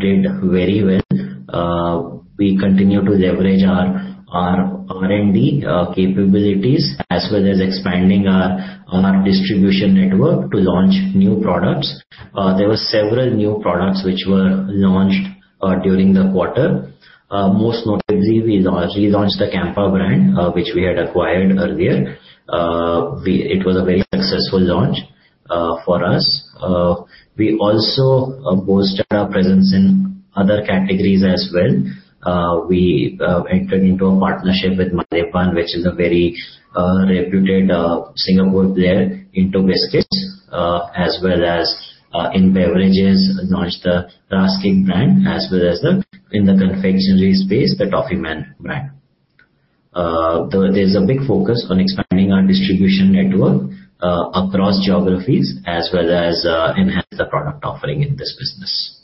did very well. We continue to leverage our R&D capabilities as well as expanding our distribution network to launch new products. There were several new products which were launched during the quarter. Most notably, we relaunched the Campa brand, which we had acquired earlier. It was a very successful launch for us. We also boosted our presence in other categories as well. We entered into a partnership with Maliban, which is a very reputed Sri Lanka player into biscuits, as well as in beverages, launched the RasKik brand, as well as in the confectionery space, the Toffeeman brand. There's a big focus on expanding our distribution network across geographies as well as enhance the product offering in this business.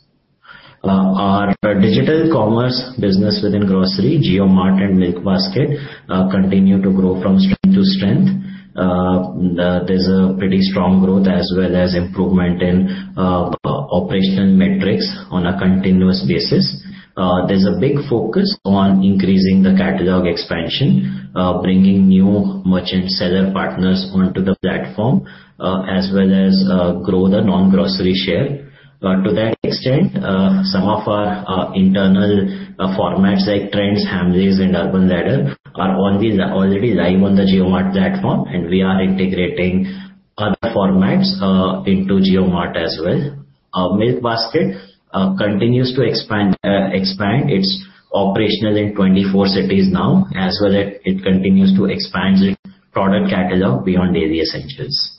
Our digital commerce business within grocery, JioMart and Milkbasket, continue to grow from strength to strength. There's a pretty strong growth as well as improvement in operational metrics on a continuous basis. There's a big focus on increasing the catalog expansion, bringing new merchant seller partners onto the platform, as well as grow the non-grocery share. To that extent, some of our internal formats like Trends, Hamleys, and Urban Ladder are all these already live on the JioMart platform, and we are integrating other formats into JioMart as well. Milkbasket continues to expand. It's operational in 24 cities now, as well as it continues to expand its product catalog beyond daily essentials.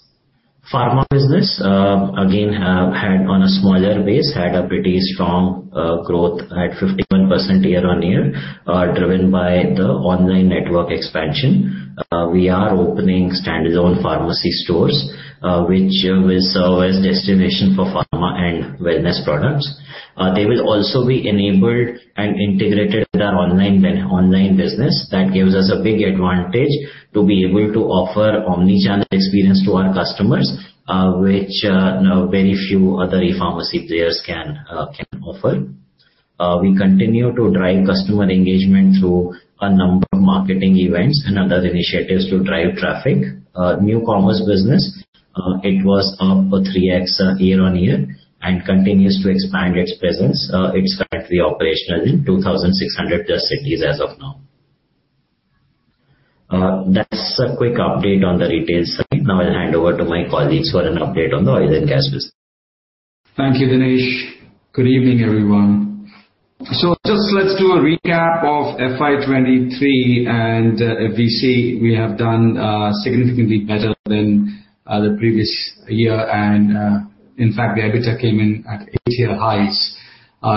Pharma business, again, had on a smaller base, had a pretty strong growth at 51% year-on-year, driven by the online network expansion. We are opening standalone pharmacy stores, which will serve as destination for pharma and wellness products. They will also be enabled and integrated with our online business. That gives us a big advantage to be able to offer omnichannel experience to our customers, which very few other e-pharmacy players can offer. We continue to drive customer engagement through a number of marketing events and other initiatives to drive traffic. New Commerce business, it was up 3x year-on-year and continues to expand its presence. It's currently operational in 2,600 cities as of now. That's a quick update on the Retail side. Now I'll hand over to my colleagues for an update on the oil and gas business. Thank you, Dinesh. Good evening, everyone. Just let's do a recap of FY 2023, if we see, we have done significantly better than the previous year, in fact, the EBITDA came in at eight-year highs.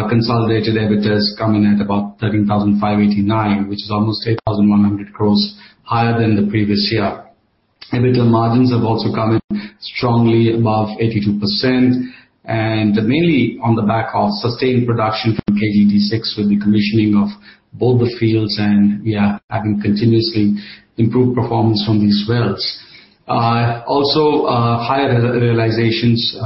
Consolidated EBITDA has come in at about 13,589 crore (Indian Rupee), which is almost 8,100 crore (Indian Rupee) higher than the previous year. EBITDA margins have also come in strongly above 82%, mainly on the back of sustained production from KG D6 with the commissioning of both the fields, we are having continuously improved performance from these wells. Also, higher re-realizations,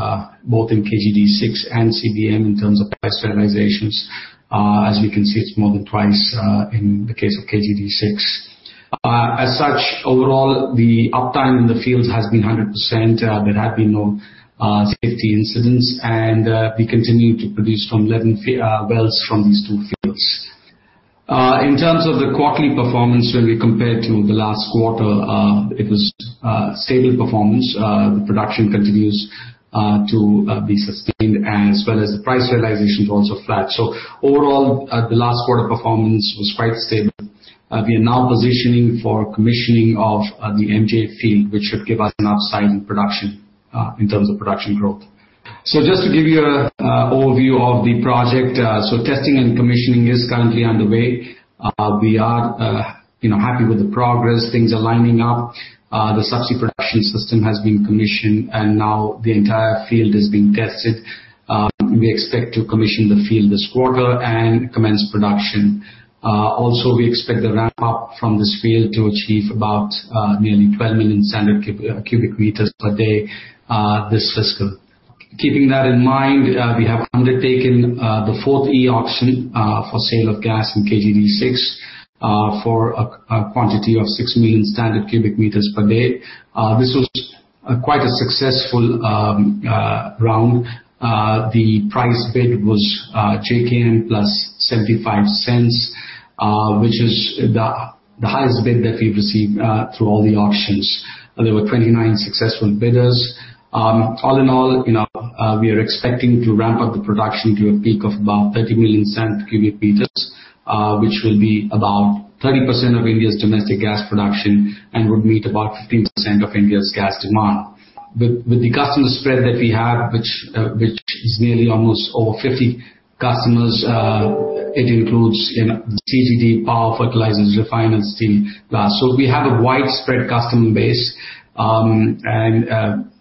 both in KG D6 and CBM in terms of price realizations. As you can see, it's more than twice in the case of KG D6. As such, overall, the uptime in the fields has been 100%. There have been no safety incidents. We continue to produce from 11 wells from these two fields. In terms of the quarterly performance when we compare to the last quarter, it was stable performance. The production continues to be sustained as well as the price realization was also flat. Overall, the last quarter performance was quite stable. We are now positioning for commissioning of the MJ field, which should give us an upside in production in terms of production growth. Just to give you a overview of the project. Testing and commissioning is currently underway. We are, you know, happy with the progress. Things are lining up. The subsea production system has been commissioned. Now the entire field is being tested. We expect to commission the field this quarter and commence production. Also, we expect the ramp-up from this field to achieve about nearly 12 million standard cubic meters per day this fiscal. Keeping that in mind, we have undertaken the fourth e-auction for sale of gas in KG D6 for a quantity of 6 million standard cubic meters per day. This was quite a successful round. The price bid was JKM+ 0.75 (Indian Rupee), which is the highest bid that we've received through all the auctions. There were 29 successful bidders. All in all, we are expecting to ramp up the production to a peak of about 30 million standard cubic meters, which will be about 30% of India's domestic gas production and would meet about 15% of India's gas demand. With the customer spread that we have, which is nearly almost over 50 customers, it includes O2C, power, fertilizers, refinery, steel, glass. We have a widespread customer base. I'll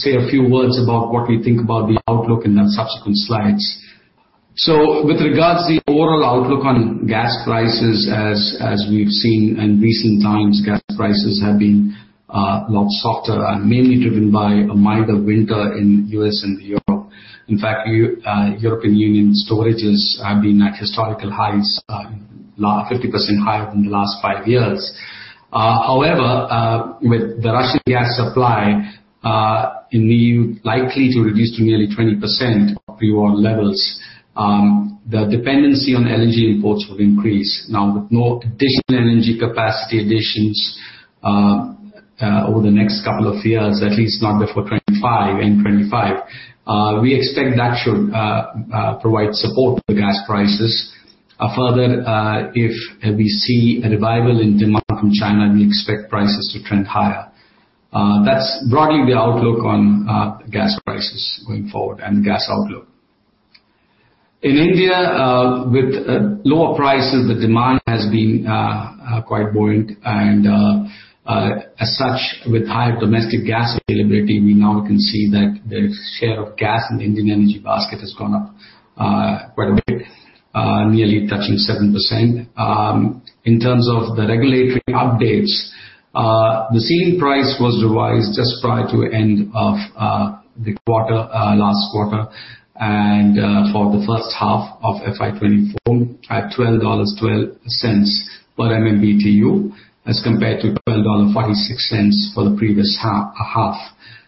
say a few words about what we think about the outlook in the subsequent slides. With regards the overall outlook on gas prices, as we've seen in recent times, gas prices have been a lot softer and mainly driven by a milder winter in U.S. and Europe. In fact, European Union storages have been at historical highs, 50% higher than the last five years. However, with the Russian gas supply in EU likely to reduce to nearly 20% of pre-war levels, the dependency on LNG imports will increase. Now, with no additional LNG capacity additions over the next couple of years, at least not before 2025, in 2025, we expect that should provide support to the gas prices. Further, if we see a revival in demand from China, we expect prices to trend higher. That's broadly the outlook on gas prices going forward and gas outlook. In India, with lower prices, the demand has been quite buoyant and, as such, with higher domestic gas availability, we now can see that the share of gas in the Indian energy basket has gone up quite a bit, nearly touching 7%. In terms of the regulatory updates, the ceiling price was revised just prior to end of the quarter, last quarter, and for the first half of FY 2024 at $12.12 per MMBTU as compared to $12.46 for the previous half.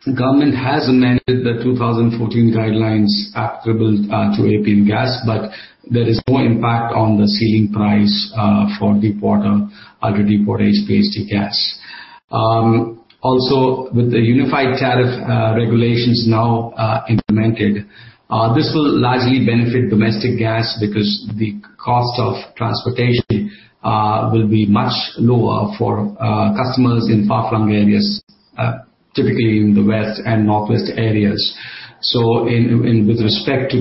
The government has amended the 2014 guidelines applicable to APM gas, but there is no impact on the ceiling price for deepwater, ultra-deepwater HPHT gas. Also, with the unified tariff regulations now implemented, this will largely benefit domestic gas because the cost of transportation will be much lower for customers in far-flung areas, typically in the west and northwest areas. In with respect to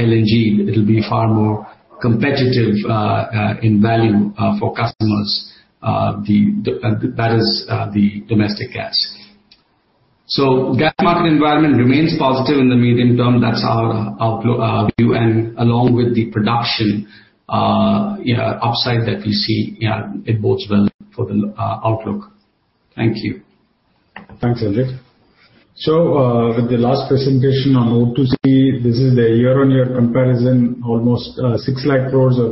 LNG, it'll be far more competitive in value for customers. That is, the domestic gas. Gas market environment remains positive in the medium term. That's our outlook view. Along with the production, you know, upside that we see, you know, it bodes well for the outlook. Thank you. Thanks, Sanjay. With the last presentation on O2C, this is the year-on-year comparison, almost 600,000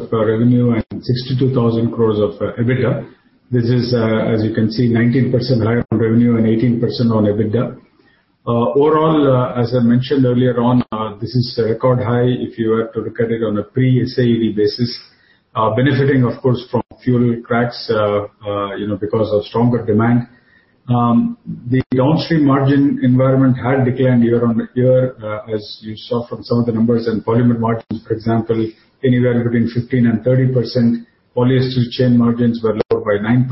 crore (Indian Rupee) of revenue and 62,000 crore (Indian Rupee) of EBITDA. This is, as you can see, 19% higher on revenue and 18% on EBITDA. Overall, as I mentioned earlier on, this is a record high if you were to look at it on a pre-SAED basis, benefiting of course from fuel cracks, you know, because of stronger demand. The onstream margin environment had declined year-on-year, as you saw from some of the numbers in polymer margins, for example, anywhere between 15%-30%. Polyester chain margins were lower by 9%,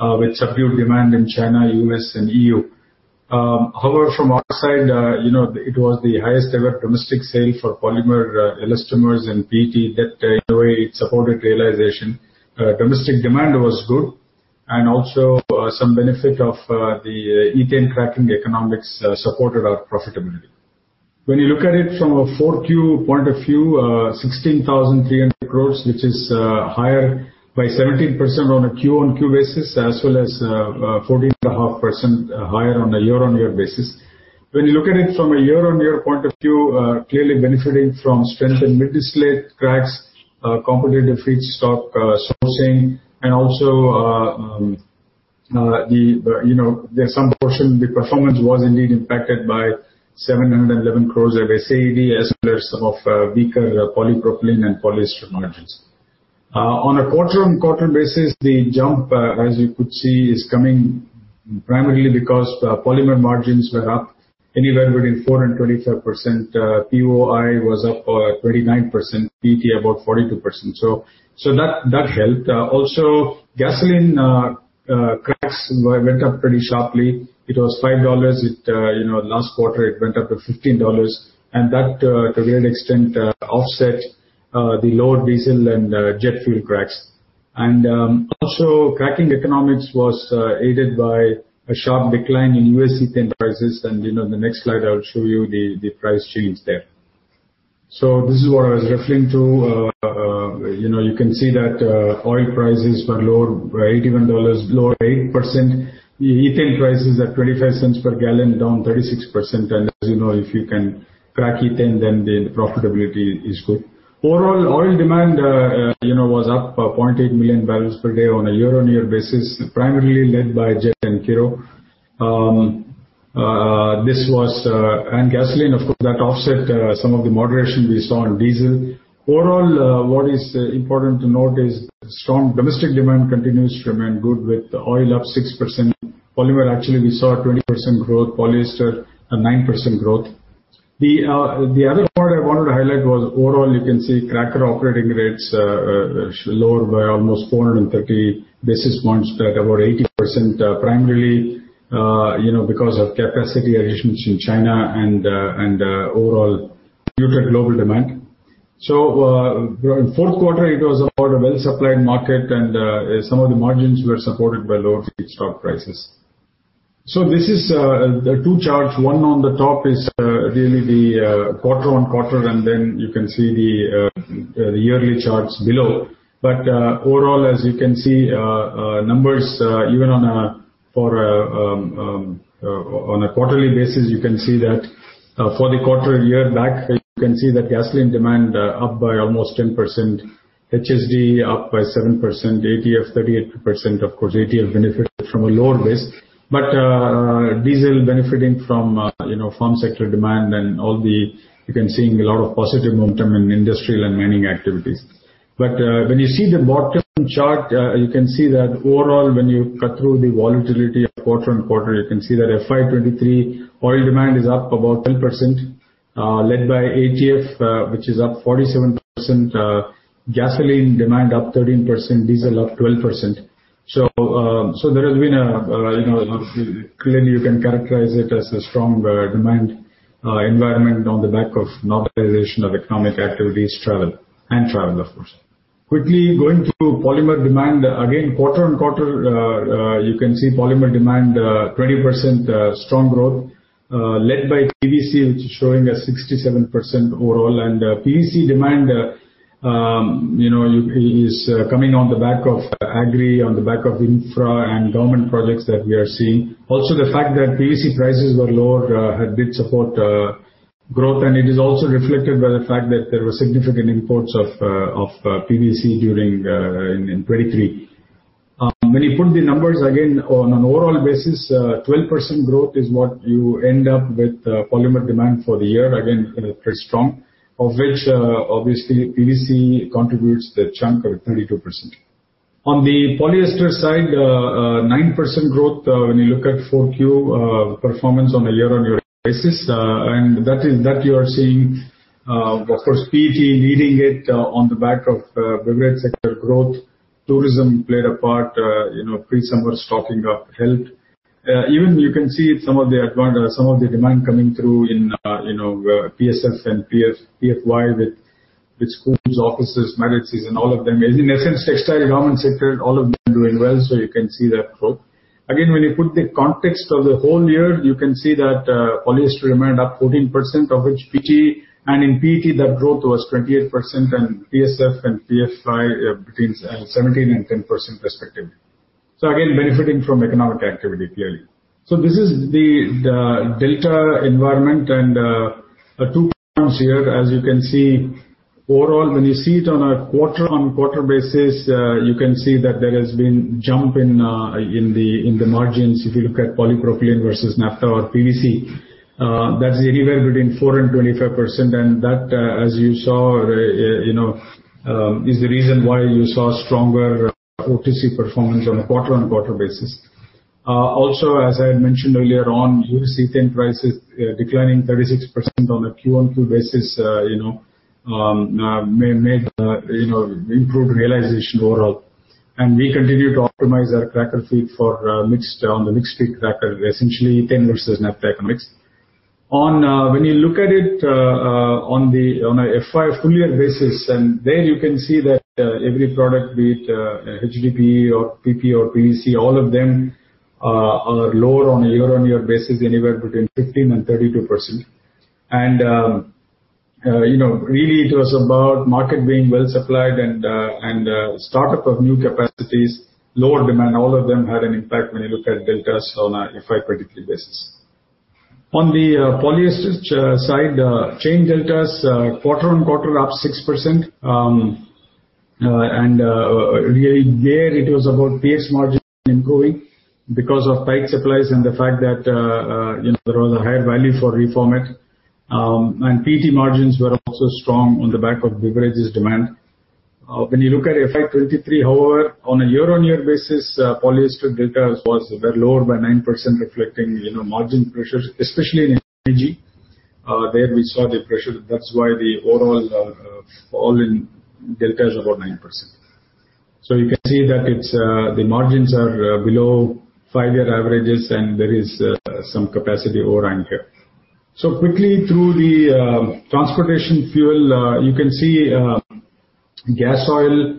with subdued demand in China, U.S. and EU. However from our side, you know, it was the highest ever domestic sale for polymer, elastomers and PET that in a way supported realization. Domestic demand was good and also, some benefit of the ethane cracking economics supported our profitability. When you look at it from a 4Q point of view, 16,300 crores (Indian Rupee), which is higher by 17% on a QoQ basis as well as 14.5% higher on a year-on-year basis. When you look at it from a year-on-year point of view, clearly benefiting from strength in mid-distillate cracks, competitive feedstock sourcing and also, you know, there's some portion the performance was indeed impacted by 711 crores (Indian Rupee) of SAED as well as some of weaker polypropylene and polyester margins. On a quarter-on-quarter basis, the jump, as you could see, is coming primarily because polymer margins were up anywhere between 4% and 25%. POY was up by 39%, PET about 42%. That helped. Also gasoline cracks went up pretty sharply. It was $5. It, you know, last quarter it went up to $15. That, to a great extent, offset the lower diesel and jet fuel cracks. Also cracking economics was aided by a sharp decline in U.S. ethane prices. You know, in the next slide I will show you the price change there. This is what I was referring to. You know, you can see that oil prices were lower by $81, lower 8%. Ethane prices at 0.25 per gallon, down 36%. As you know, if you can crack ethane, then the profitability is good. Overall, oil demand, you know, was up 0.8 MMbpd on a year-on-year basis, primarily led by jet and kero. Gasoline, of course, that offset some of the moderation we saw in diesel. Overall, what is important to note is strong domestic demand continues to remain good with oil up 6%. Polymer, actually, we saw 20% growth. Polyester, 9% growth. The other part I wanted to highlight was overall you can see cracker operating rates lower by almost 430 basis points at about 80%, primarily, you know, because of capacity additions in China and overall muted global demand. Fourth quarter, it was about a well-supplied market and some of the margins were supported by lower feedstock prices. This is the two charts. One on the top is really the quarter-on-quarter, and then you can see the yearly charts below. Overall, as you can see, numbers even on a quarterly basis, you can see that for the quarter a year back, you can see that gasoline demand up by almost 10%. HSD up by 7%. ATF, 38%. Of course, ATF benefited from a lower base. diesel benefiting from, you know, farm sector demand. You can seeing a lot of positive momentum in industrial and mining activities. when you see the bottom chart, you can see that overall, when you cut through the volatility of quarter and quarter, you can see that FY 2023 oil demand is up about 10%, led by ATF, which is up 47%. Gasoline demand up 13%, diesel up 12%. so there has been a, you know, clearly you can characterize it as a strong demand environment on the back of normalization of economic activities, travel, and travel of course. Quickly going through polymer demand. Again, quarter on quarter, you can see polymer demand, 20% strong growth, led by PVC, which is showing a 67% overall. PVC demand, you know, is coming on the back of agri, on the back of infra and government projects that we are seeing. Also, the fact that PVC prices were lower, did support growth, and it is also reflected by the fact that there were significant imports of PVC during in 2023. When you put the numbers again on an overall basis, 12% growth is what you end up with polymer demand for the year. Again, pretty strong. Of which, obviously PVC contributes the chunk of it, 32%. On the polyester side, 9% growth when you look at Q4 performance on a year-on-year basis, and that is, that you are seeing, of course, PET leading it on the back of beverage sector growth. Tourism played a part, you know, pre-summer stocking up helped. Even you can see some of the demand coming through in, you know, PSF and PFY with schools, offices, marriages and all of them. In essence, textile, garment sector, all of them doing well, so you can see that growth. Again, when you put the context of the whole year, you can see that polyester demand up 14%, of which PET, and in PET that growth was 28% and PSF and PFY, between 17% and 10% respectively. Again, benefiting from economic activity, clearly. This is the delta environment and two points here. As you can see, overall, when you see it on a quarter-on-quarter basis, you can see that there has been jump in the margins. If you look at polypropylene versus naphtha or PVC, that's anywhere between four and 25%. That, as you saw, you know, is the reason why you saw stronger O2C performance on a quarter-on-quarter basis. Also, as I had mentioned earlier on, you will see Brent prices declining 36% on a QoQ basis, you know, made, you know, improved realization overall. We continue to optimize our cracker feed for mixed on the mixed feed cracker, essentially Brent versus Naphtha cracker mix. When you look at it on the FY full year basis, there you can see that every product, be it HDPE or PP or PVC, all of them are lower on a year-on-year basis, anywhere between 15% and 32%. You know, really it was about market being well supplied and startup of new capacities, lower demand, all of them had an impact when you look at deltas on a FY particular basis. On the polyester side, chain deltas quarter-on-quarter up 6%. Really there it was about PX margin improving because of tight supplies and the fact that, you know, there was a higher value for reformate. PET margins were also strong on the back of beverages demand. When you look at FY 2023, however, on a year-on-year basis, polyester deltas was lower by 9%, reflecting, you know, margin pressures, especially in MEG. There we saw the pressure. That's why the overall fall in delta is about 9%. You can see that it's the margins are below five-year averages and there is some capacity overhang here. Quickly through the transportation fuel, you can see gas oil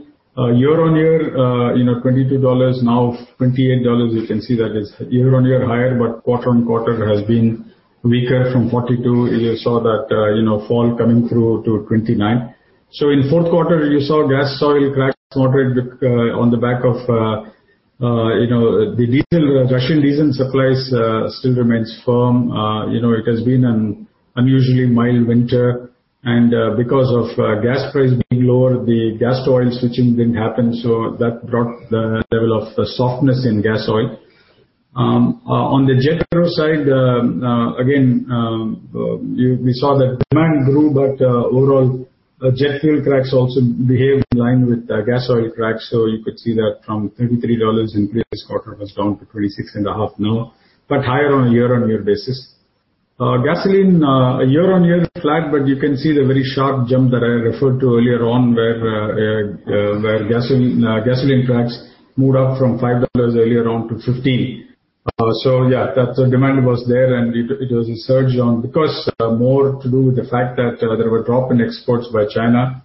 year-on-year, you know, $22, now $28. You can see that it's year-on-year higher, but quarter-on-quarter has been weaker from $42. You saw that, you know, fall coming through to $29. In fourth quarter you saw gas oil crack moderate with on the back of, you know, the diesel, Russian diesel supplies still remains firm. You know, it has been an unusually mild winter. Because of gas price being lower, the gas oil switching didn't happen, so that brought the level of softness in gas oil. On the jet fuel side, again, we saw that demand grew, but overall, jet fuel cracks also behaved in line with the gas oil cracks. You could see that from $33 in previous quarter was down to $26.5 now, but higher on a year-on-year basis. Gasoline year-on-year is flat, but you can see the very sharp jump that I referred to earlier on where gasoline cracks moved up from $5 earlier on to $15. Yeah, that demand was there, and it was a surge because more to do with the fact that there were drop in exports by China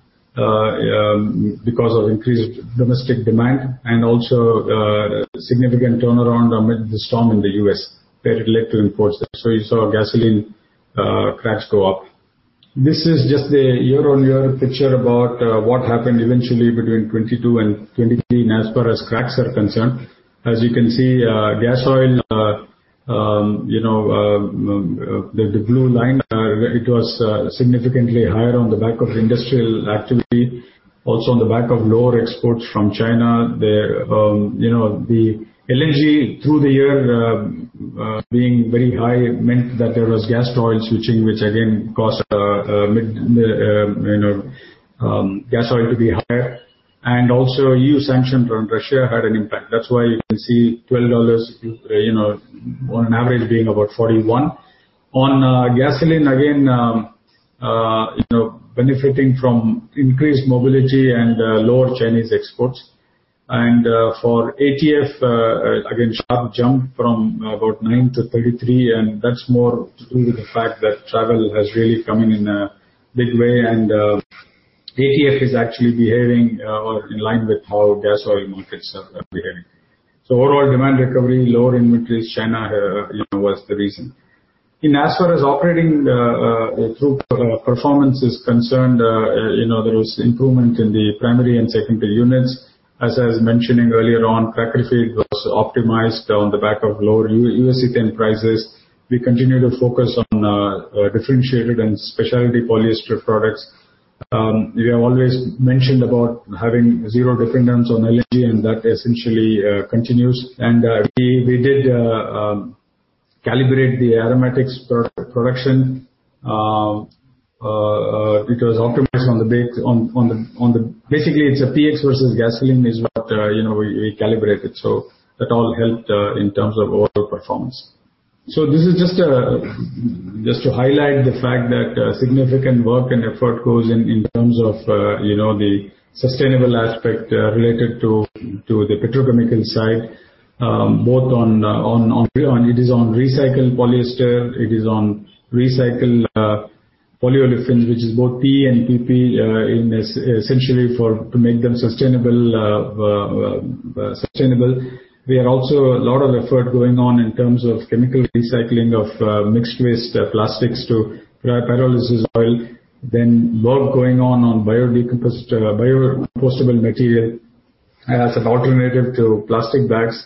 because of increased domestic demand and also significant turnaround amid the storm in the U.S. that it led to imports there. You saw gasoline cracks go up. This is just a year-on-year picture about what happened eventually between 2022 and 2023 as far as cracks are concerned. As you can see, gas oil, the blue line, it was significantly higher on the back of industrial activity, also on the back of lower exports from China. The LNG through the year being very high meant that there was gas oil switching, which again caused gas oil to be higher. Also EU sanctions on Russia had an impact. That's why you can see $12 on an average being about $41. On gasoline, again, benefiting from increased mobility and lower Chinese exports. For ATF, again, sharp jump from about $9 to $33, and that's more to do with the fact that travel has really come in a big way. ATF is actually behaving or in line with how gas oil markets are behaving. Overall demand recovery, lower inventories, China, you know, was the reason. As far as operating performance is concerned, you know, there was improvement in the primary and secondary units. As I was mentioning earlier on, cracker feed was optimized on the back of lower U.S. ethane prices. We continue to focus on differentiated and specialty polyester products. We have always mentioned about having zero dependence on LNG, and that essentially continues. We did calibrate the aromatics production. It was optimized on the base on the. Basically, it's a PX versus gasoline is what, you know, we calibrated. That all helped in terms of overall performance. This is just to highlight the fact that significant work and effort goes in terms of, you know, the sustainable aspect related to the petrochemical side, both on. It is on recycled polyester. It is on recycled polyolefins, which is both PE and PP, essentially for, to make them sustainable. We have also a lot of effort going on in terms of chemical recycling of mixed waste plastics to pyrolysis oil. Work going on biodegradable material as an alternative to plastic bags.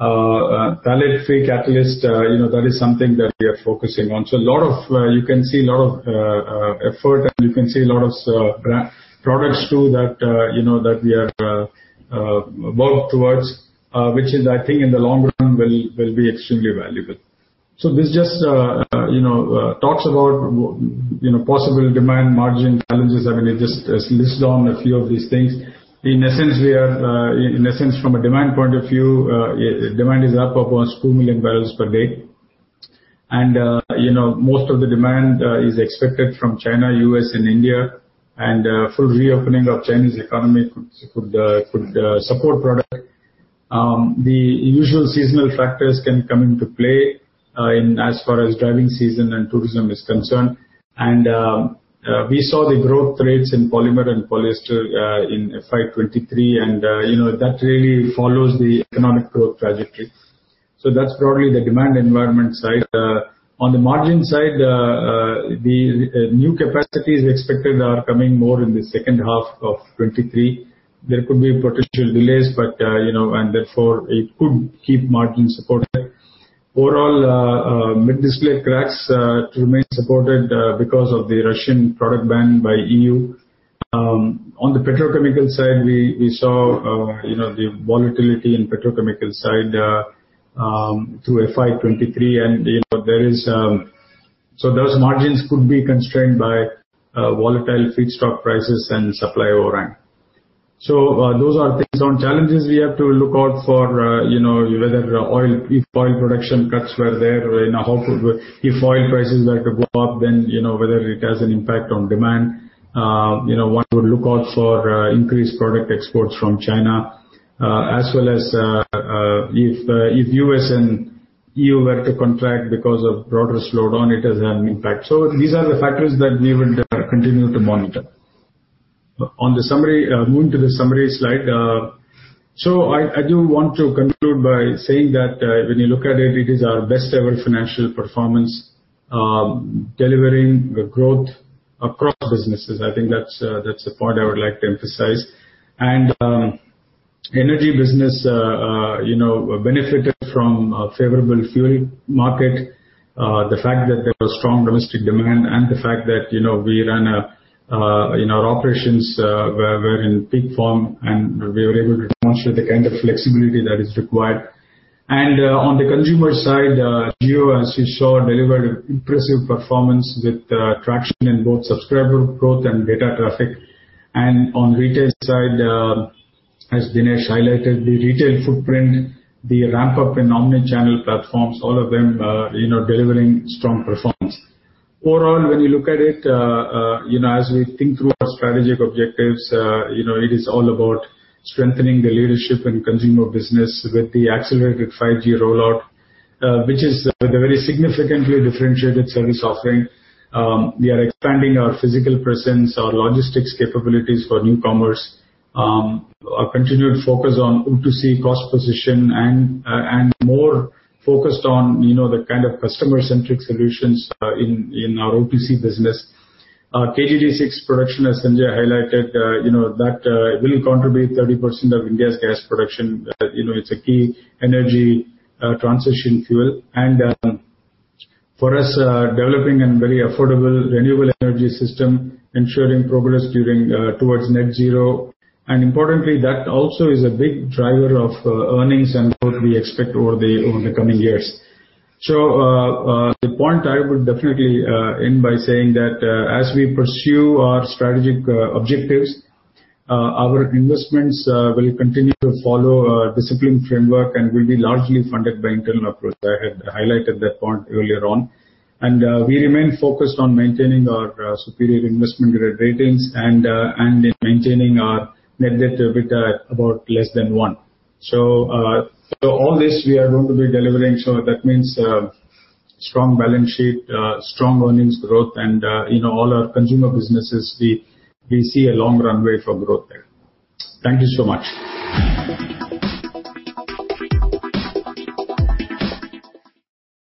Phthalate-free catalyst, you know, that is something that we are focusing on. A lot of, you can see a lot of effort, and you can see a lot of [pro-products] too that, you know, that we are work towards, which is, I think in the long run will be extremely valuable. This just, you know, talks about, you know, possible demand margin challenges. I mean, it just lists down a few of these things. In essence, we are in essence, from a demand point of view, demand is up almost 2 MMbpd. You know, most of the demand is expected from China, U.S. and India. Full reopening of Chinese economy could support product. The usual seasonal factors can come into play in as far as driving season and tourism is concerned. We saw the growth rates in polymer and polyester in FY 2023 and, you know, that really follows the economic growth trajectory. That's probably the demand environment side. On the margin side, the new capacities expected are coming more in the second half of 23. There could be potential delays, but, you know, therefore it could keep margins supported. Overall, mid-distillate cracks remain supported because of the Russian product ban by EU. On the petrochemical side, we saw, you know, the volatility in petrochemical side through FY 2023 and, you know, there is, Those margins could be constrained by volatile feedstock prices and supply overhang. Those are things on challenges we have to look out for, you know, whether oil, if oil production cuts were there and if oil prices were to go up then, you know, whether it has an impact on demand. You know, one would look out for increased product exports from China, as well as if U.S. and EU were to contract because of broader slowdown, it has an impact. These are the factors that we would continue to monitor. On the summary, moving to the summary slide. I do want to conclude by saying that when you look at it is our best ever financial performance, delivering growth across businesses. I think that's that's a point I would like to emphasize. Energy business, you know, benefited from a favorable fuel market. The fact that there was strong domestic demand and the fact that, you know, we ran our operations were in peak form, and we were able to demonstrate the kind of flexibility that is required. On the consumer side, Jio, as you saw, delivered impressive performance with traction in both subscriber growth and data traffic. On Retail side, as Dinesh highlighted, the Retail footprint, the ramp-up in omni-channel platforms, all of them, you know, delivering strong performance. Overall, when you look at it, you know, as we think through our strategic objectives, you know, it is all about strengthening the leadership and consumer business with the accelerated 5G rollout, which is a very significantly differentiated service offering. We are expanding our physical presence, our logistics capabilities for New Commerce. Our continued focus on O2C cost position and more focused on, you know, the kind of customer-centric solutions in our O2C business. KG D6 production, as Sanjay highlighted, you know, that will contribute 30% of India's gas production. You know, it's a key energy transition fuel. For us, developing a very affordable renewable energy system, ensuring progress towards net zero. Importantly, that also is a big driver of earnings and what we expect over the coming years. The point I would definitely end by saying that as we pursue our strategic objectives, our investments will continue to follow a disciplined framework and will be largely funded by internal approach. I had highlighted that point earlier on. We remain focused on maintaining our superior investment grade ratings and maintaining our net debt EBITDA at about less than one. All this we are going to be delivering. That means strong balance sheet, strong earnings growth and, you know, all our consumer businesses, we see a long runway for growth there. Thank you so much.